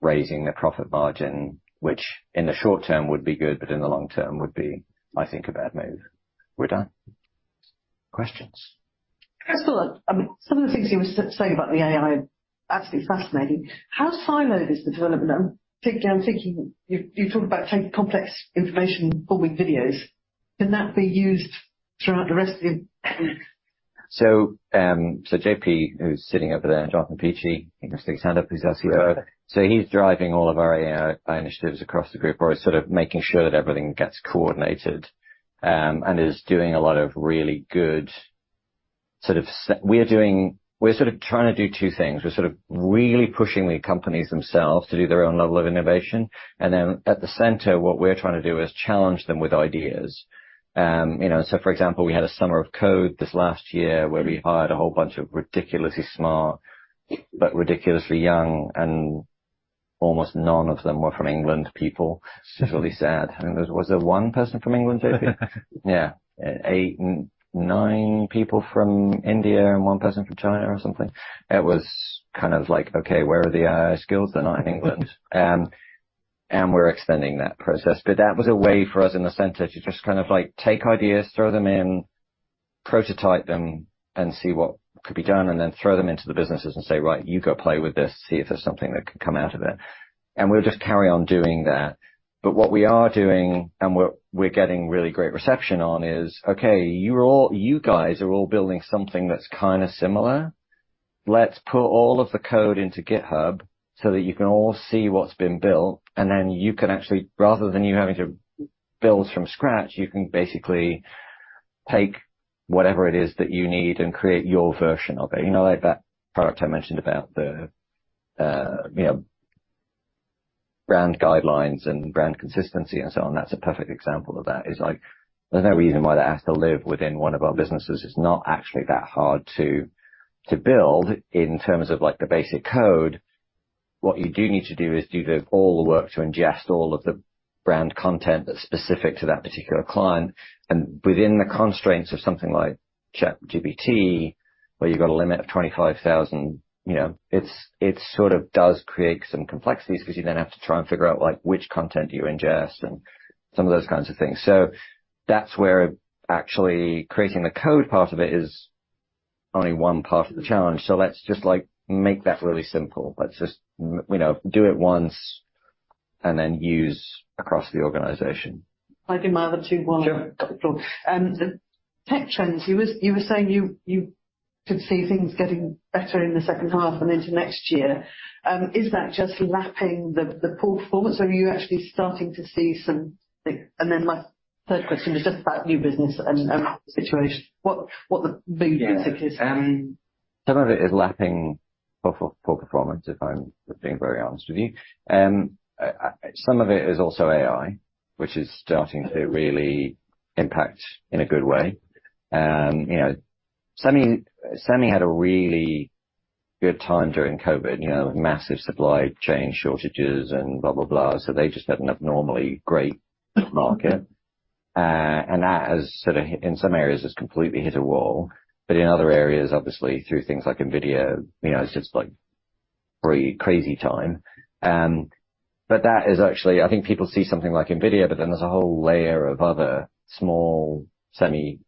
raising the profit margin, which in the short term would be good, but in the long term would be, I think, a bad move. We're done. Questions? Crystal, some of the things you were saying about the AI, absolutely fascinating. How siloed is the development? I'm thinking, you talked about taking complex information, pulling videos. Can that be used throughout the rest of the business? So, so JP, who's sitting over there, Jonathan Peachey, he can stick his hand up. He's actually over... So he's driving all of our AI initiatives across the group, or is sort of making sure that everything gets coordinated, and is doing a lot of really good sort of. We're sort of trying to do two things. We're sort of really pushing the companies themselves to do their own level of innovation. And then, at the center, what we're trying to do is challenge them with ideas. You know, so for example, we had a summer of code this last year, where we hired a whole bunch of ridiculously smart but ridiculously young, and almost none of them were from England, people, which is really sad. I think there was a one person from England, JP? Yeah. Eight, nine people from India and one person from China or something. It was kind of like, okay, where are the skills then? Not in England. And we're extending that process, but that was a way for us in the center to just kind of, like, take ideas, throw them in, prototype them and see what could be done, and then throw them into the businesses and say, "Right, you go play with this, see if there's something that can come out of it." And we'll just carry on doing that. But what we are doing, and we're getting really great reception on, is, "Okay, you're all—you guys are all building something that's kind of similar. Let's put all of the code into GitHub so that you can all see what's been built, and then you can actually, rather than you having to build from scratch, you can basically take whatever it is that you need and create your version of it." You know, like that product I mentioned about the, you know, brand guidelines and brand consistency and so on. That's a perfect example of that. It's like, there's no reason why that has to live within one of our businesses. It's not actually that hard to build in terms of, like, the basic code. What you do need to do is do all the work to ingest all of the brand content that's specific to that particular client. Within the constraints of something like ChatGPT, where you've got a limit of 25,000, you know, it's, it sort of does create some complexities because you then have to try and figure out, like, which content do you ingest and some of those kinds of things. So that's where actually creating the code part of it is only one part of the challenge. So let's just, like, make that really simple. Let's just, you know, do it once and then use across the organization. I do my other two more- Sure. The tech trends, you were saying you could see things getting better in the second half and into next year. Is that just lapping the poor performance, or are you actually starting to see some things? And then my third question was just about new business and the situation, what the big picture is? Some of it is lapping poor, poor performance, if I'm being very honest with you. Some of it is also AI, which is starting to really impact in a good way. You know, semi had a really good time during COVID, you know, massive supply chain shortages and blah, blah, blah. So they just had an abnormally great market. And that has sort of hit. In some areas, has completely hit a wall, but in other areas, obviously, through things like NVIDIA, you know, it's just, like, pretty crazy time. But that is actually—I think people see something like NVIDIA, but then there's a whole layer of other small semi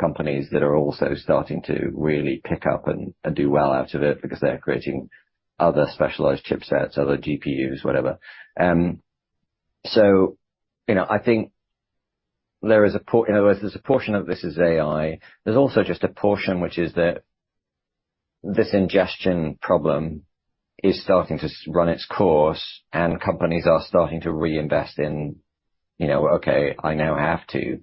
companies that are also starting to really pick up and do well out of it because they're creating other specialized chipsets, other GPUs, whatever. So you know, I think there is a portion—you know, there's a portion of this is AI, there's also just a portion which is that this ingestion problem is starting to run its course, and companies are starting to reinvest in, you know, "Okay, I now have to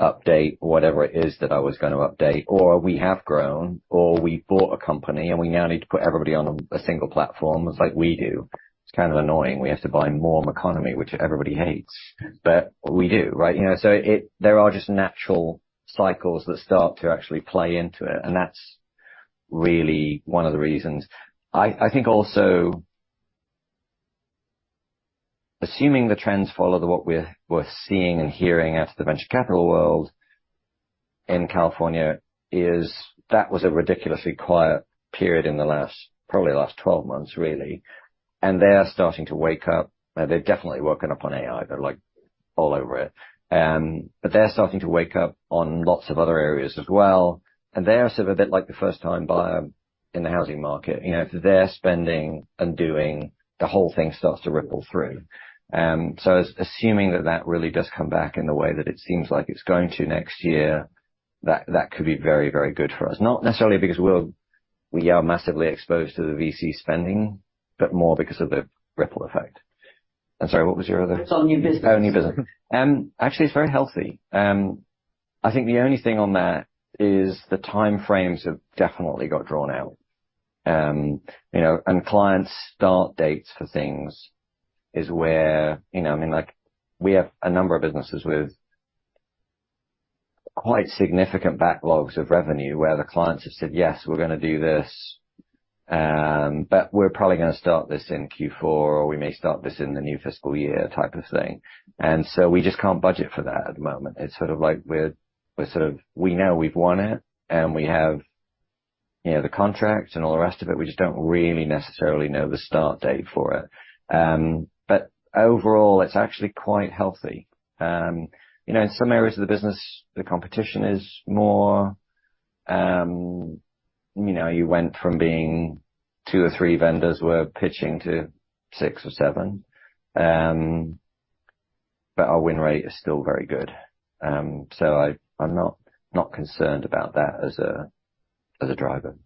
update whatever it is that I was gonna update," or, "We have grown," or, "We bought a company, and we now need to put everybody on a single platform," just like we do. It's kind of annoying. We have to buy more economy, which everybody hates, but we do, right? You know, so it—there are just natural cycles that start to actually play into it, and that's really one of the reasons. I think also... Assuming the trends follow what we're seeing and hearing out of the venture capital world in California, is that it was a ridiculously quiet period in the last, probably last 12 months, really. And they are starting to wake up, and they've definitely woken up on AI. They're, like, all over it. But they're starting to wake up on lots of other areas as well. And they are sort of a bit like the first-time buyer in the housing market. You know, if they're spending and doing, the whole thing starts to ripple through. So assuming that that really does come back in the way that it seems like it's going to next year, that could be very, very good for us. Not necessarily because we're, we are massively exposed to the VC spending, but more because of the ripple effect. I'm sorry, what was your other- It's on new business. On new business. Actually, it's very healthy. I think the only thing on that is the time frames have definitely got drawn out. You know, and clients' start dates for things is where, you know... I mean, like, we have a number of businesses with quite significant backlogs of revenue, where the clients have said, "Yes, we're gonna do this, but we're probably gonna start this in Q4, or we may start this in the new fiscal year," type of thing. And so we just can't budget for that at the moment. It's sort of like we're sort of, we know we've won it, and we have, you know, the contract and all the rest of it. We just don't really necessarily know the start date for it. But overall, it's actually quite healthy. You know, in some areas of the business, the competition is more, you know, you went from being two or three vendors were pitching to six or seven. But our win rate is still very good. So I, I'm not, not concerned about that as a, as a driver.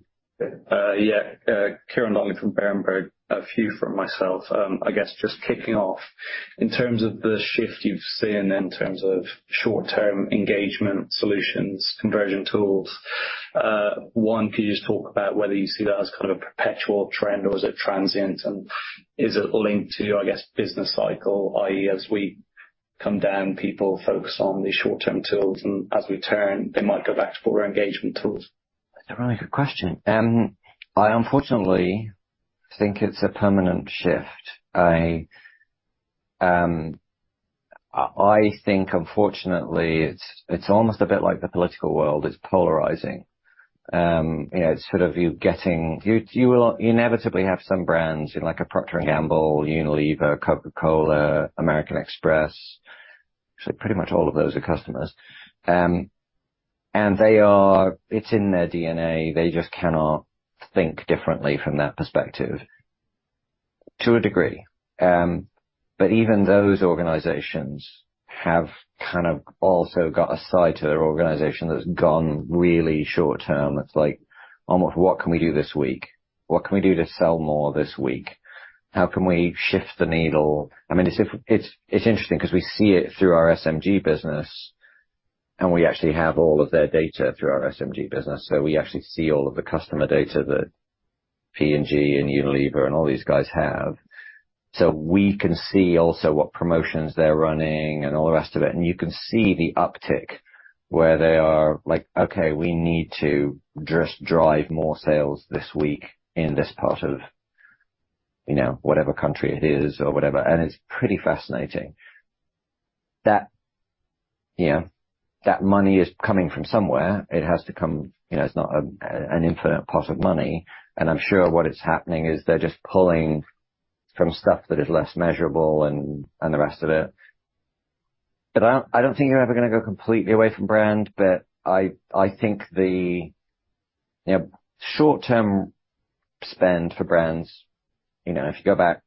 Ciarán Donnelly from Berenberg. A few from myself. I guess just kicking off, in terms of the shift you've seen in terms of short-term engagement solutions, conversion tools, one, can you just talk about whether you see that as kind of a perpetual trend, or is it transient, and is it linked to, I guess, business cycle? I.e., as we come down, people focus on the short-term tools, and as we turn, they might go back to four engagement tools. That's a really good question. I unfortunately think it's a permanent shift. I think unfortunately, it's almost a bit like the political world is polarizing. You know, it's sort of you getting... You will inevitably have some brands in like a Procter & Gamble, Unilever, Coca-Cola, American Express. So pretty much all of those are customers. And they are. It's in their DNA. They just cannot think differently from that perspective, to a degree. But even those organizations have kind of also got a side to their organization that's gone really short term, that's like, "Almost what can we do this week? What can we do to sell more this week? How can we shift the needle?" I mean, it's interesting because we see it through our SMG business, and we actually have all of their data through our SMG business, so we actually see all of the customer data that P&G and Unilever and all these guys have. So we can see also what promotions they're running and all the rest of it, and you can see the uptick where they are like, "Okay, we need to just drive more sales this week in this part of," you know, whatever country it is or whatever. And it's pretty fascinating. That, you know, that money is coming from somewhere. It has to come. You know, it's not an infinite pot of money, and I'm sure what is happening is they're just pulling from stuff that is less measurable and the rest of it. But I don't, I don't think you're ever gonna go completely away from brand, but I, I think the, you know, short-term spend for brands, you know, if you go back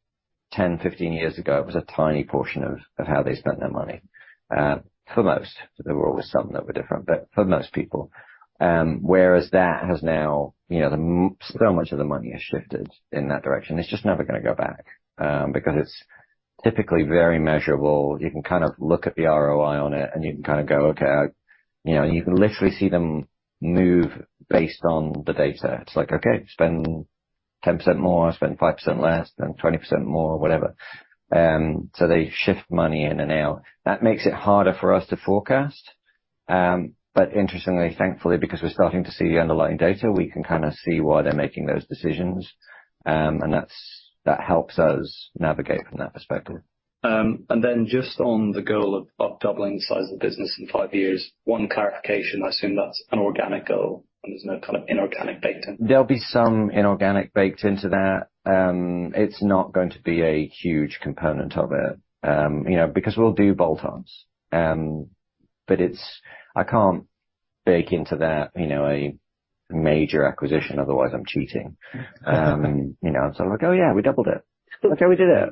10, 15 years ago, it was a tiny portion of, of how they spent their money, for most. There were always some that were different, but for most people. Whereas that has now, you know, so much of the money has shifted in that direction, it's just never gonna go back, because it's typically very measurable. You can kind of look at the ROI on it, and you can kind of go, okay, you know, and you can literally see them move based on the data. It's like, okay, spend 10% more, spend 5% less, then 20% more, whatever. So they shift money in and out. That makes it harder for us to forecast, but interestingly, thankfully, because we're starting to see the underlying data, we can kinda see why they're making those decisions. And that helps us navigate from that perspective. And then just on the goal of about doubling the size of the business in five years, one clarification, I assume that's an organic goal, and there's no kind of inorganic baked in? There'll be some inorganic baked into that. It's not going to be a huge component of it, you know, because we'll do bolt-ons. But it's... I can't bake into that, you know, a major acquisition otherwise I'm cheating. You know, so I'm like, "Oh, yeah, we doubled it. Okay, we did it."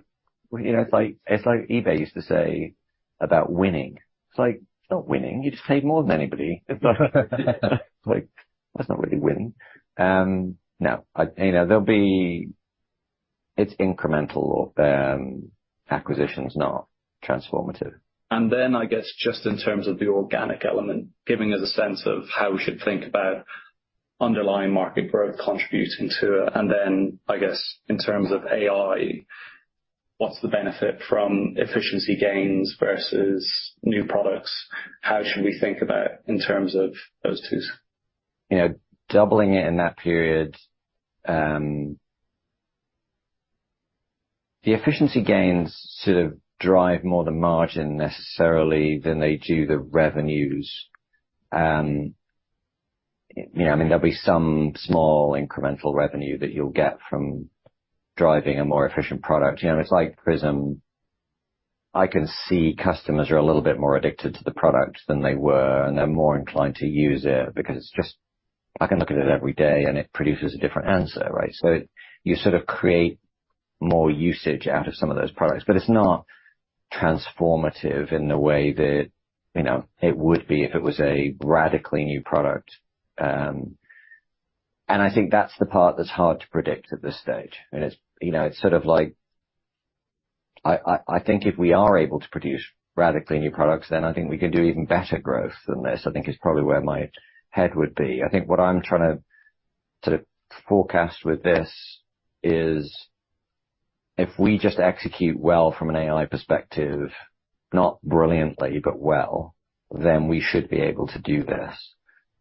You know, it's like, it's like eBay used to say about winning. It's like, it's not winning, you just paid more than anybody. It's like, that's not really winning. No, I, you know, there'll be... It's incremental, acquisitions, not transformative. Then, I guess, just in terms of the organic element, giving us a sense of how we should think about underlying market growth contributing to it, and then, I guess, in terms of AI, what's the benefit from efficiency gains versus new products? How should we think about in terms of those two? You know, doubling it in that period, the efficiency gains sort of drive more the margin necessarily than they do the revenues. You know, I mean, there'll be some small incremental revenue that you'll get from driving a more efficient product. You know, it's like Prism. I can see customers are a little bit more addicted to the product than they were, and they're more inclined to use it because it's just... I can look at it every day, and it produces a different answer, right? So you sort of create more usage out of some of those products, but it's not transformative in the way that, you know, it would be if it was a radically new product. And I think that's the part that's hard to predict at this stage, and it's, you know, it's sort of like... I think if we are able to produce radically new products, then I think we can do even better growth than this, I think is probably where my head would be. I think what I'm trying to sort of forecast with this is if we just execute well from an AI perspective, not brilliantly, but well, then we should be able to do this.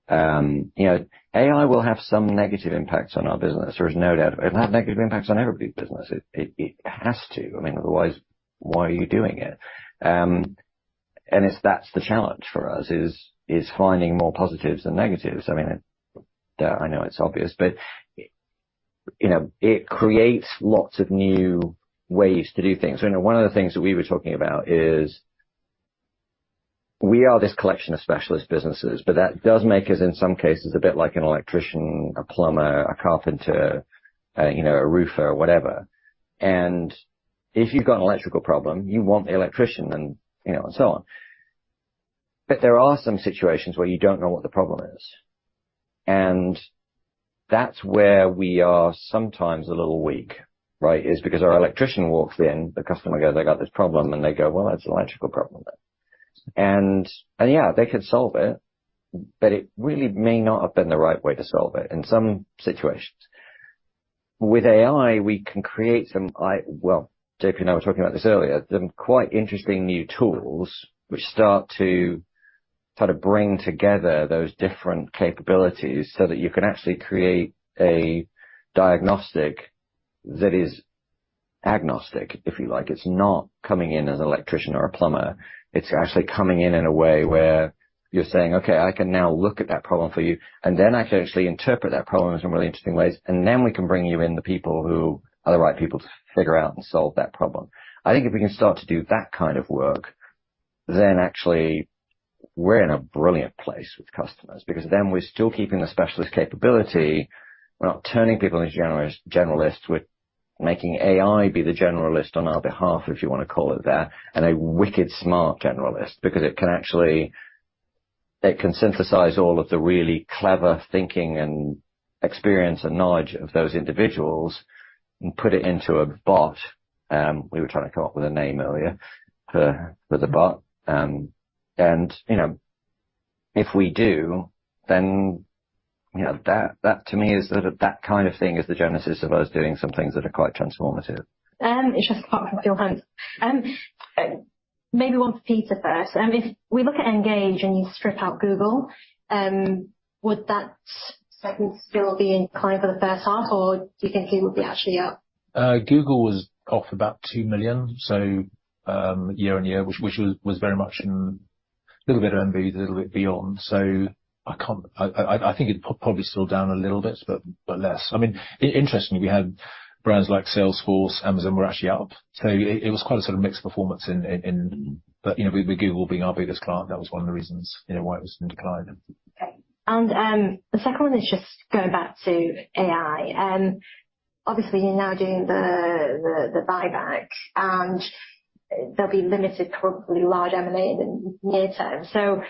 You know, AI will have some negative impacts on our business, there is no doubt. It'll have negative impacts on everybody's business. It has to. I mean, otherwise, why are you doing it? And it's, that's the challenge for us is finding more positives than negatives. I mean, that I know it's obvious, but, you know, it creates lots of new ways to do things. You know, one of the things that we were talking about is, we are this collection of specialist businesses, but that does make us, in some cases, a bit like an electrician, a plumber, a carpenter, you know, a roofer, whatever. And if you've got an electrical problem, you want the electrician and, you know, and so on. But there are some situations where you don't know what the problem is, and that's where we are sometimes a little weak, right? Is because our electrician walks in, the customer goes, "I got this problem," and they go, "Well, that's an electrical problem then." And, yeah, they could solve it, but it really may not have been the right way to solve it in some situations. With AI, we can create some. Well, JP and I were talking about this earlier, some quite interesting new tools which start to sort of bring together those different capabilities so that you can actually create a diagnostic that is agnostic, if you like. It's not coming in as an electrician or a plumber. It's actually coming in in a way where you're saying: Okay, I can now look at that problem for you, and then I can actually interpret that problem in some really interesting ways, and then we can bring you in the people who are the right people to figure out and solve that problem. I think if we can start to do that kind of work, then actually we're in a brilliant place with customers because then we're still keeping the specialist capability. We're not turning people into general-generalists, we're making AI be the generalist on our behalf, if you wanna call it that, and a wicked smart generalist, because it can actually... It can synthesize all of the really clever thinking, and experience, and knowledge of those individuals and put it into a bot. We were trying to come up with a name earlier for the bot. If we do, then, you know, that, that to me, is sort of, that kind of thing is the genesis of us doing some things that are quite transformative. It's just apart from your hands. Maybe one for Peter first. If we look at Engine and you strip out Google, would that segment still be in decline for the first half, or do you think it would be actually up? Google was off about 2 million, so year-on-year, which was very much in a little bit of M&A, a little bit beyond. So I can't I think it probably still down a little bit, but less. I mean, interestingly, we had brands like Salesforce, Amazon, were actually up, so it was quite a sort of mixed performance in. But, you know, with Google being our biggest client, that was one of the reasons, you know, why it was in decline. Okay. And the second one is just going back to AI. Obviously you're now doing the buyback, and there'll be limited, probably large M&A in the near term. So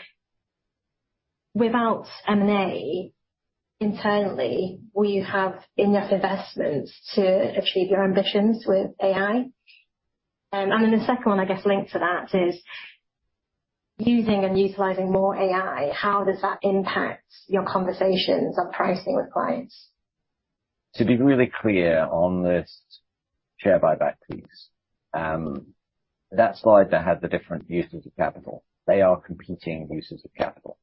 without M&A, internally, will you have enough investments to achieve your ambitions with AI? And then the second one, I guess, linked to that, is using and utilizing more AI, how does that impact your conversations on pricing with clients? To be really clear on this share buyback piece, that slide that had the different uses of capital, they are competing uses of capital,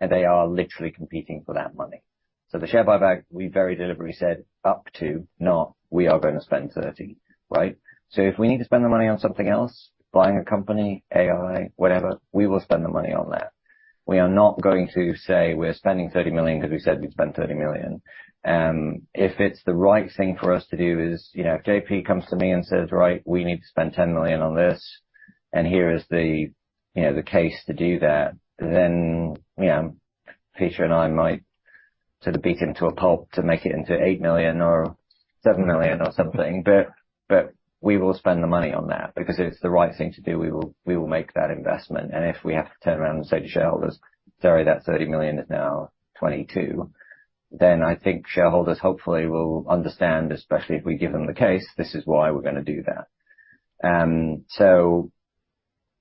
and they are literally competing for that money. So the share buyback, we very deliberately said, "Up to," not "We are going to spend 30 million," right? So if we need to spend the money on something else, buying a company, AI, whatever, we will spend the money on that. We are not going to say we're spending 30 million, because we said we'd spend 30 million. If it's the right thing for us to do is, you know, if JP comes to me and says, "Right, we need to spend 10 million on this, and here is the, you know, the case to do that," then, you know, Peter and I might sort of beat him to a pulp to make it into 8 million or 7 million or something, but, but we will spend the money on that, because if it's the right thing to do, we will, we will make that investment. If we have to turn around and say to shareholders, "Sorry, that 30 million is now 22 million," then I think shareholders hopefully will understand, especially if we give them the case, this is why we're gonna do that. So,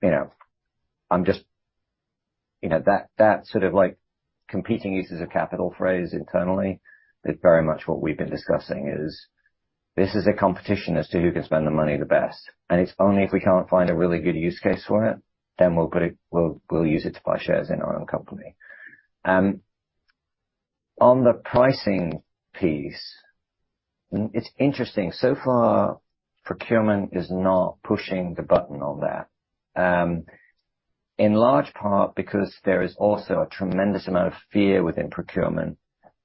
you know, I'm just... You know, that sort of, like, competing uses of capital phrase internally, is very much what we've been discussing, is this is a competition as to who can spend the money the best, and it's only if we can't find a really good use case for it, then we'll use it to buy shares in our own company. On the pricing piece, it's interesting. So far, procurement is not pushing the button on that, in large part because there is also a tremendous amount of fear within procurement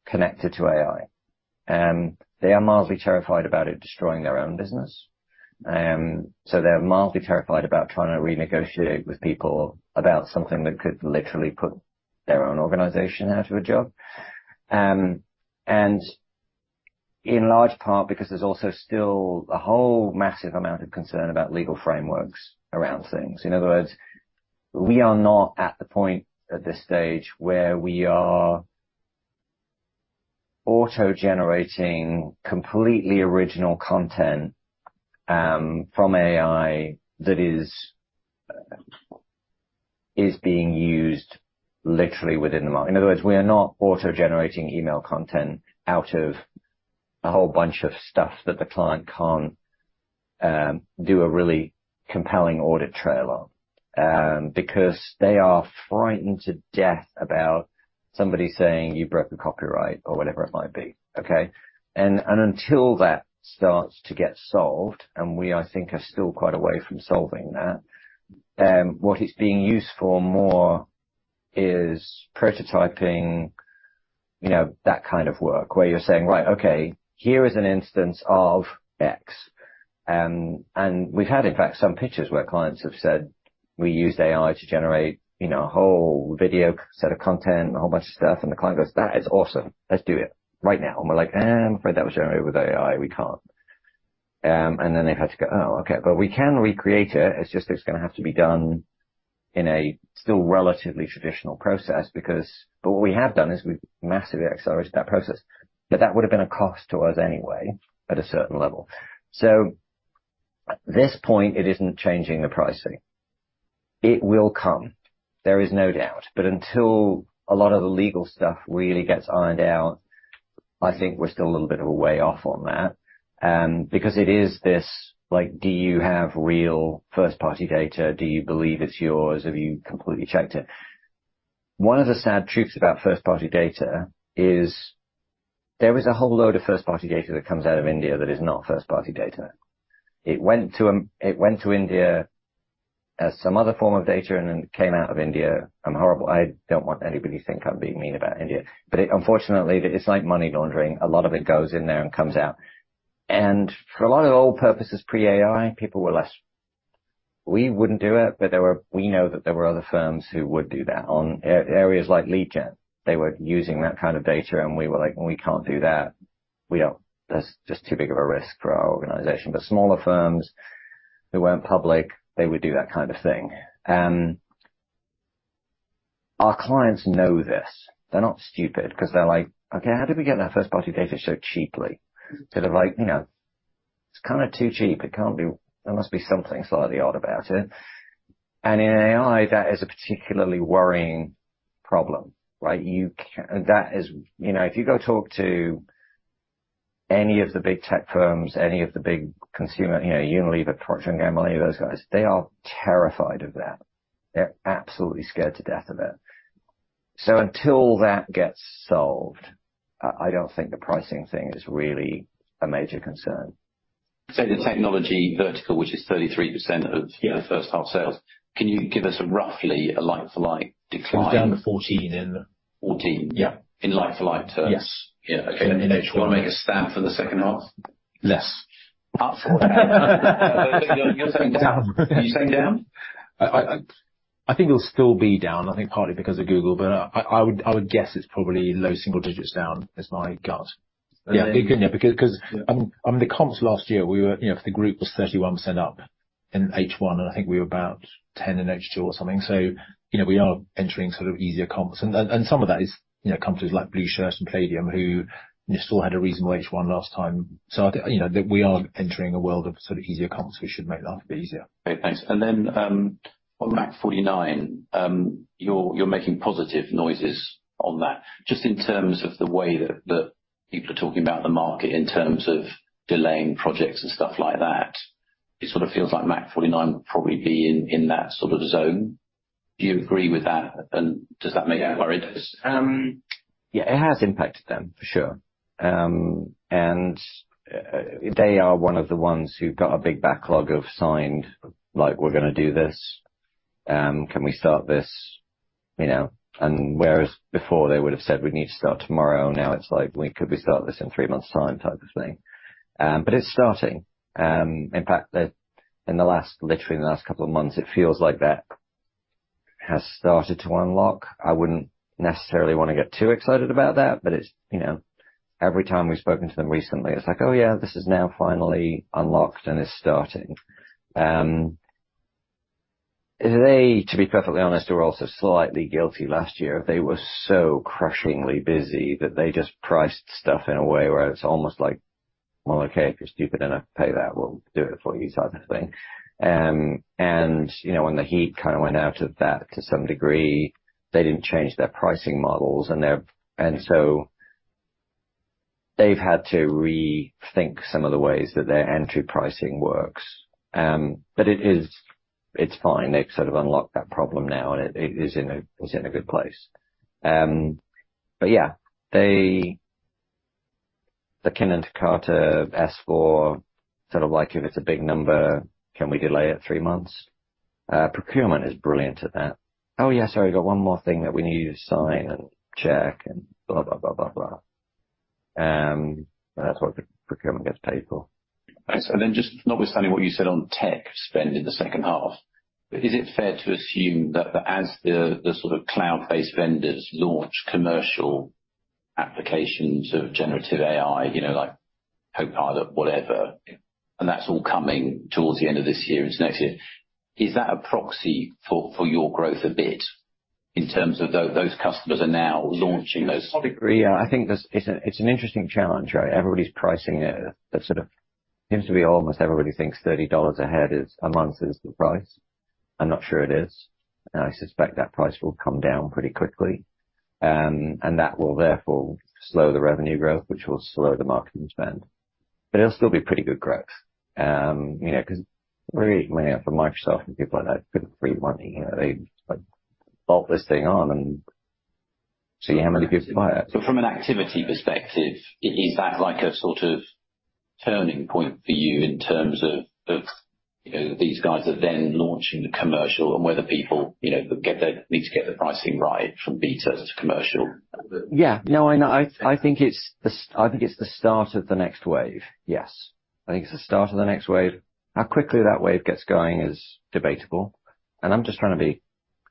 connected to AI. They are mildly terrified about it destroying their own business. So they're mildly terrified about trying to renegotiate with people about something that could literally put their own organization out of a job. And in large part because there's also still a whole massive amount of concern about legal frameworks around things. In other words, we are not at the point, at this stage, where we are auto-generating completely original content from AI that is being used literally within the market. In other words, we are not auto-generating email content out of a whole bunch of stuff that the client can't do a really compelling audit trail on. Because they are frightened to death about somebody saying, "You broke the copyright," or whatever it might be. Okay? And until that starts to get solved, and we, I think, are still quite a way from solving that, what it's being used for more is prototyping, you know, that kind of work, where you're saying, "Right, okay, here is an instance of X." And we've had, in fact, some pitches where clients have said, "We used AI to generate, you know, a whole video set of content, a whole bunch of stuff," and the client goes, "That is awesome. Let's do it right now." And we're like, "I'm afraid that was generated with AI. We can't." And then they've had to go, "Oh, okay." But we can recreate it. It's just gonna have to be done in a still relatively traditional process, because... But what we have done is we've massively accelerated that process. But that would have been a cost to us anyway, at a certain level. So at this point, it isn't changing the pricing. It will come, there is no doubt, but until a lot of the legal stuff really gets ironed out, I think we're still a little bit of a way off on that. Because it is this, like, do you have real first-party data? Do you believe it's yours? Have you completely checked it? One of the sad truths about first-party data is there is a whole load of first-party data that comes out of India that is not first-party data. It went to India as some other form of data and then came out of India. I'm horrible, I don't want anybody to think I'm being mean about India, but it unfortunately, it's like money laundering. A lot of it goes in there and comes out. For a lot of old purposes, pre-AI, people were less... We wouldn't do it, but we know that there were other firms who would do that on areas like lead gen. They were using that kind of data, and we were like, "We can't do that. We don't. That's just too big of a risk for our organization." But smaller firms who weren't public, they would do that kind of thing. Our clients know this. They're not stupid, because they're like, "Okay, how did we get that first-party data so cheaply?" Sort of like, you know... It's kind of too cheap. It can't be. There must be something slightly odd about it. And in AI, that is a particularly worrying problem, right? That is, you know, if you go talk to any of the big tech firms, any of the big consumer, you know, Unilever, Procter & Gamble, any of those guys, they are terrified of that. They're absolutely scared to death of it. So until that gets solved, I don't think the pricing thing is really a major concern. So the technology vertical, which is 33% of- Yeah. The first half sales, can you give us roughly a like-for-like decline? It was down to 14% in- 14%. Yeah. In like-for-like terms? Yes. Yeah. Okay. Do you want to make a stab for the second half? Less. You're saying down. Are you saying down? I think it'll still be down. I think partly because of Google, but I would guess it's probably low single digits down. Is my gut. Yeah, we could, yeah, because, I mean, the comps last year, we were, you know, if the group was 31% up in H1, and I think we were about 10% in H2 or something. So, you know, we are entering sort of easier comps. And some of that is, you know, companies like Blueshirt and Palladium, who still had a reasonable H1 last time. So, you know, we are entering a world of sort of easier comps, which should make life a bit easier. Okay, thanks. And then, on Mach49, you're making positive noises on that. Just in terms of the way that people are talking about the market, in terms of delaying projects and stuff like that, it sort of feels like Mach49 would probably be in that sort of zone. Do you agree with that, and does that make you worried? Yeah, it has impacted them, for sure. And they are one of the ones who've got a big backlog of signed, like, "We're gonna do this. Can we start this?" You know, and whereas before they would have said, "We need to start tomorrow," now it's like, "Well, could we start this in three months time?" Type of thing. But it's starting. In fact, in the last, literally in the last couple of months, it feels like that has started to unlock. I wouldn't necessarily want to get too excited about that, but it's, you know, every time we've spoken to them recently, it's like, "Oh, yeah, this is now finally unlocked and is starting." They, to be perfectly honest, were also slightly guilty last year. They were so crushingly busy that they just priced stuff in a way where it's almost like, "Well, okay, if you're stupid enough to pay that, we'll do it for you," type of thing. And, you know, when the heat kind of went out of that to some degree, they didn't change their pricing models, and so they've had to rethink some of the ways that their entry pricing works. But it is. It's fine. They've sort of unlocked that problem now, and it is in a good place. But yeah, the Kin + Carta ask for, sort of like, if it's a big number, "Can we delay it three months?" Procurement is brilliant at that. Oh, yeah, sorry, I got one more thing that we need you to sign and check, and blah, blah, blah, blah, blah." That's what procurement gets paid for. Thanks. And then, just notwithstanding what you said on tech spend in the second half, is it fair to assume that as the sort of cloud-based vendors launch commercial applications of generative AI, you know, like Copilot, whatever, and that's all coming towards the end of this year and next year, is that a proxy for your growth a bit, in terms of those customers are now launching those? I would agree. I think this, it's an interesting challenge, right? Everybody's pricing it at sort of, seems to be almost everybody thinks $30 a head a month is the price. I'm not sure it is, and I suspect that price will come down pretty quickly. And that will therefore slow the revenue growth, which will slow the marketing spend. But it'll still be pretty good growth. You know, 'cause really money from Microsoft and people like that, good free money. You know, they bolt this thing on and see how many people buy it. But from an activity perspective, is that like a sort of turning point for you in terms of, you know, these guys are then launching the commercial and whether people, you know, get their need to get the pricing right from beta to commercial? Yeah. No, I know. I think it's the start of the next wave. Yes. I think it's the start of the next wave. How quickly that wave gets going is debatable, and I'm just trying to be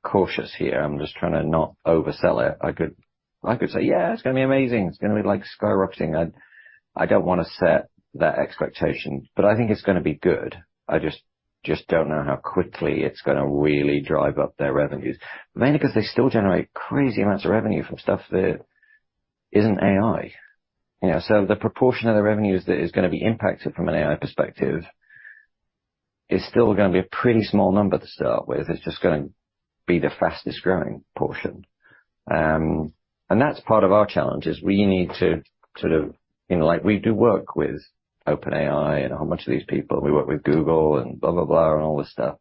cautious here. I'm just trying to not oversell it. I could say, "Yeah, it's gonna be amazing. It's gonna be, like, skyrocketing." I don't want to set that expectation, but I think it's gonna be good. I just don't know how quickly it's gonna really drive up their revenues. Mainly because they still generate crazy amounts of revenue from stuff that isn't AI. You know, so the proportion of the revenues that is gonna be impacted from an AI perspective is still gonna be a pretty small number to start with. It's just gonna be the fastest growing portion. And that's part of our challenge, is we need to sort of- you know, like, we do work with OpenAI and a whole bunch of these people. We work with Google and blah, blah, blah, and all this stuff.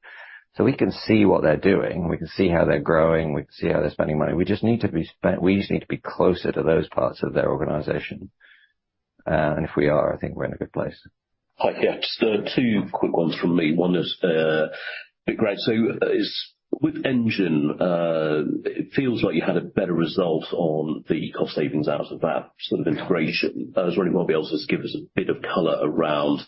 So we can see what they're doing, we can see how they're growing, we can see how they're spending money. We just need to be closer to those parts of their organization. And if we are, I think we're in a good place. Hi, yeah. Just, two quick ones from me. One is, be great. So is-- With Engine, it feels like you had a better result on the cost savings out of that sort of integration. I was wondering if you might be able to just give us a bit of color around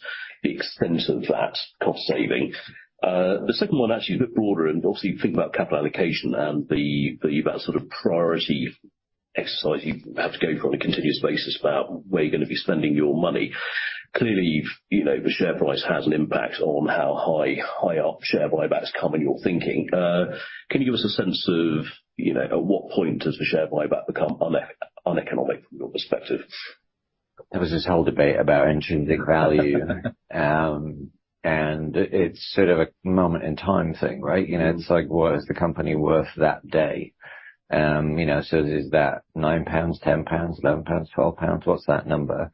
the extent of that cost saving. The second one, actually, a bit broader and obviously think about capital allocation and the, that sort of priority exercise you have to go through on a continuous basis about where you're gonna be spending your money. Clearly, you've, you know, the share price has an impact on how high up share buybacks come in your thinking. Can you give us a sense of, you know, at what point does the share buyback become uneffective on economic perspective? There was this whole debate about intrinsic value. And it's sort of a moment in time thing, right? You know, it's like, what is the company worth that day? You know, so is that 9 pounds, 10 pounds, 11 pounds, 12 pounds? What's that number?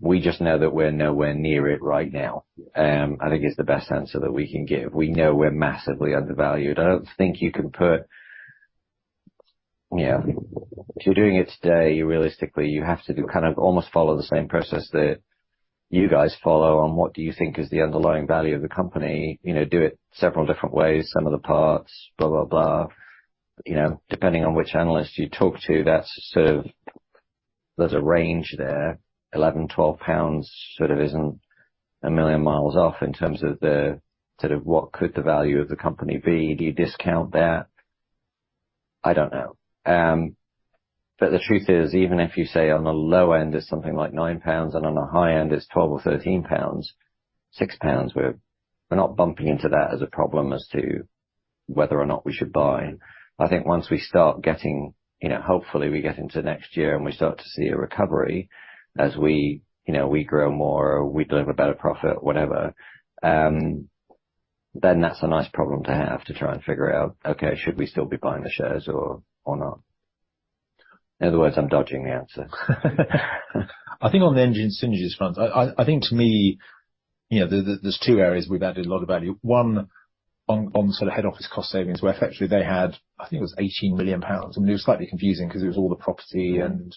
We just know that we're nowhere near it right now. I think it's the best answer that we can give. We know we're massively undervalued. I don't think you can put-- Yeah, if you're doing it today, realistically, you have to do kind of almost follow the same process that you guys follow on what do you think is the underlying value of the company? You know, do it several different ways, some of the parts, blah, blah, blah. You know, depending on which analyst you talk to, that's sort of-- there's a range there. 11-12 pounds, sort of, isn't a million miles off in terms of the, sort of, what could the value of the company be. Do you discount that? I don't know. But the truth is, even if you say on the low end, it's something like 9 pounds, and on a high end, it's 12 or 13 pounds. 6 pounds, we're not bumping into that as a problem as to whether or not we should buy. I think once we start getting... You know, hopefully, we get into next year, and we start to see a recovery, as we, you know, we grow more, or we deliver better profit, whatever, then that's a nice problem to have, to try and figure out, okay, should we still be buying the shares or not? In other words, I'm dodging the answer. I think on the engine synergies front, I think to me, you know, there's two areas we've added a lot of value. One, on sort of head office cost savings, where effectively they had, I think it was 18 million pounds. I mean, it was slightly confusing because it was all the property, and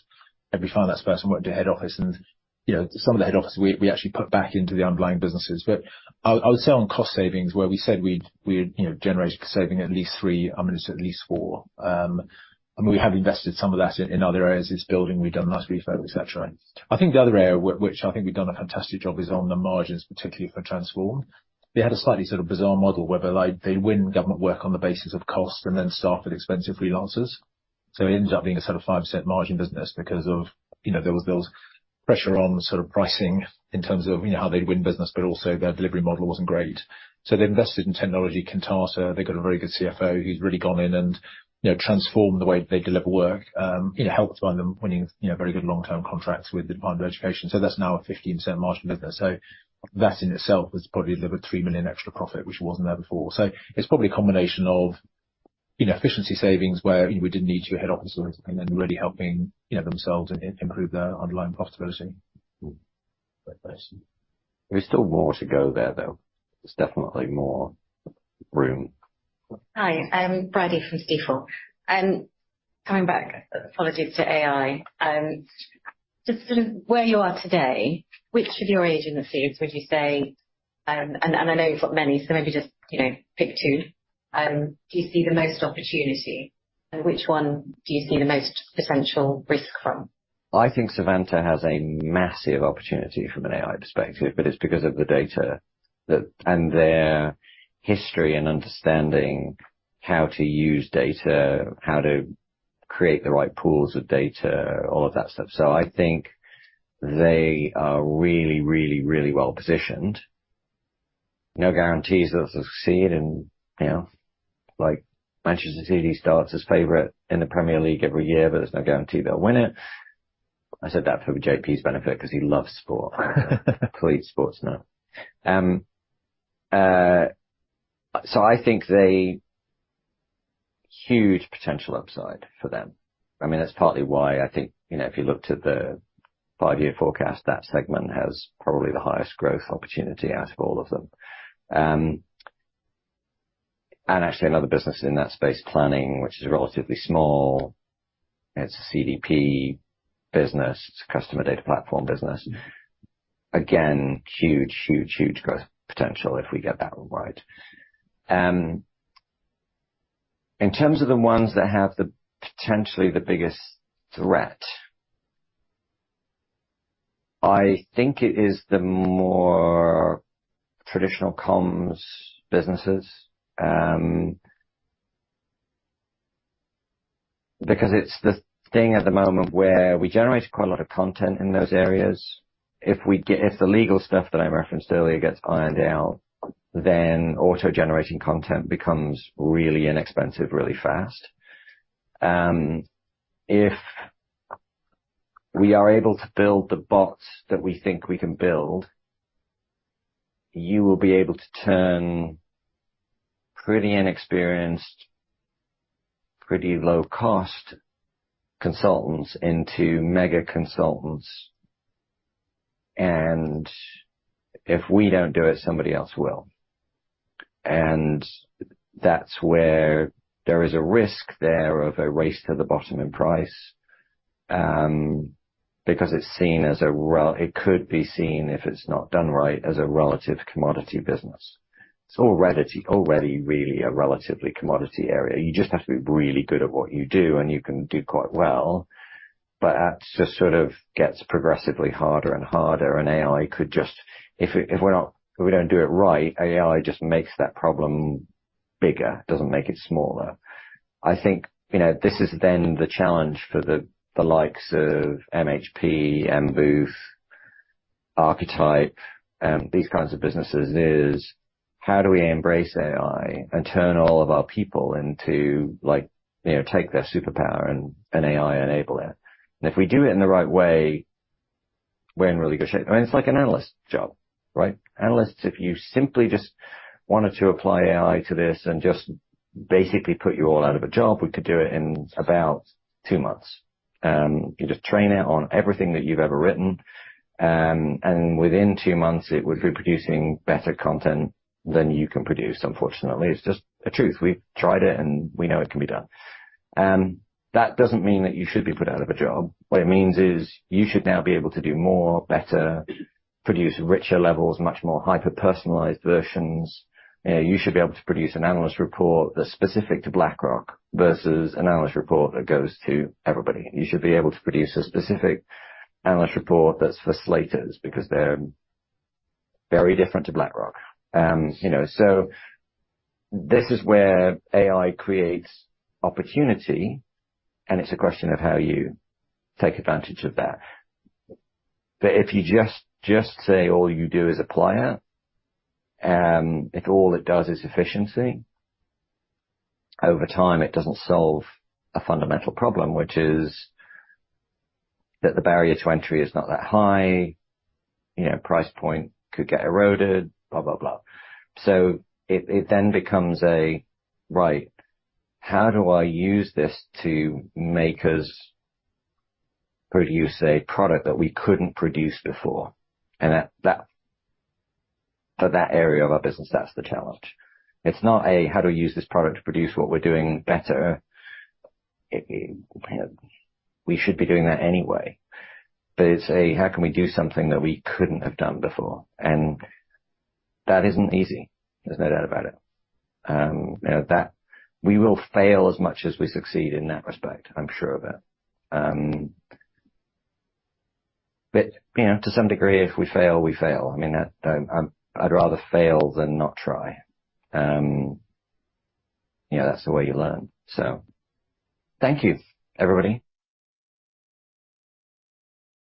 every finance person went to head office and, you know, some of the head office we actually put back into the underlying businesses. But I would say on cost savings, where we said we'd generate saving at least 3 million, I'm gonna say at least 4 million. And we have invested some of that in other areas, it's building, we've done a nice refurb, et cetera. I think the other area in which I think we've done a fantastic job is on the margins, particularly for Transform. They had a slightly sort of bizarre model, whereby they win government work on the basis of cost and then staff with expensive freelancers. So it ends up being a sort of 5% margin business because of, you know, there was pressure on sort of pricing in terms of, you know, how they'd win business, but also their delivery model wasn't great. So they invested in technology, Kantar. They've got a very good CFO, who's really gone in and, you know, transformed the way they deliver work. You know, helped by them winning, you know, very good long-term contracts with the Department for Education. So that's now a 15% margin business. So that in itself has probably delivered 3 million extra profit, which wasn't there before. So it's probably a combination of, you know, efficiency savings, where we didn't need to head office and then really helping, you know, themselves improve their underlying profitability. There's still more to go there, though. There's definitely more room. Hi, Brady from Stifel. Coming back, apologies to AI, just sort of where you are today, which of your agencies would you say—and, and I know you've got many, so maybe just, you know, pick two. Do you see the most opportunity, and which one do you see the most potential risk from? I think Savanta has a massive opportunity from an AI perspective, but it's because of the data that-- and their history and understanding how to use data, how to create the right pools of data, all of that stuff. So I think they are really, really, really well positioned. No guarantees they'll succeed and, you know, like Manchester City starts as favorite in the Premier League every year, but there's no guarantee they'll win it. I said that for JP's benefit 'cause he loves sport. Complete sports nerd. So I think they... Huge potential upside for them. I mean, that's partly why I think, you know, if you looked at the five-year forecast, that segment has probably the highest growth opportunity out of all of them. And actually another business in that space, Planning, which is relatively small, it's a CDP business, it's a customer data platform business. Again, huge, huge, huge growth potential if we get that one right. In terms of the ones that have the potentially the biggest threat, I think it is the more traditional comms businesses. Because it's the thing at the moment where we generate quite a lot of content in those areas. If the legal stuff that I referenced earlier gets ironed out, then auto-generating content becomes really inexpensive, really fast. If we are able to build the bots that we think we can build, you will be able to turn pretty inexperienced, pretty low-cost consultants into mega consultants, and if we don't do it, somebody else will. That's where there is a risk there of a race to the bottom in price, because it's seen as, it could be seen, if it's not done right, as a relative commodity business. It's already really a relatively commodity area. You just have to be really good at what you do, and you can do quite well, but that just sort of gets progressively harder and harder, and AI could just... If we're not-- if we don't do it right, AI just makes that problem bigger, doesn't make it smaller. I think, you know, this is then the challenge for the likes of MHP and M Booth and Archetype, these kinds of businesses is: how do we embrace AI and turn all of our people into, like, you know, take their superpower and AI enable it? If we do it in the right way, we're in really good shape. I mean, it's like an analyst job, right? Analysts, if you simply just wanted to apply AI to this and just basically put you all out of a job, we could do it in about two months. You just train it on everything that you've ever written, and within two months, it would be producing better content than you can produce. Unfortunately, it's just the truth. We've tried it, and we know it can be done. That doesn't mean that you should be put out of a job. What it means is you should now be able to do more, better, produce richer levels, much more hyper-personalized versions. You should be able to produce an analyst report that's specific to BlackRock versus an analyst report that goes to everybody. You should be able to produce a specific analyst report that's for Slater's, because they're very different to BlackRock. You know, so this is where AI creates opportunity, and it's a question of how you take advantage of that. But if you just, just say all you do is apply it, if all it does is efficiency, over time, it doesn't solve a fundamental problem, which is that the barrier to entry is not that high, you know, price point could get eroded, blah, blah, blah. So it then becomes a, "Right, how do I use this to make us produce a product that we couldn't produce before?" And that... For that area of our business, that's the challenge. It's not a, how do we use this product to produce what we're doing better? It, we should be doing that anyway. But it's how can we do something that we couldn't have done before? That isn't easy, there's no doubt about it. You know, that we will fail as much as we succeed in that respect, I'm sure of it. You know, to some degree, if we fail, we fail. I mean, I'd rather fail than not try. You know, that's the way you learn. Thank you, everybody.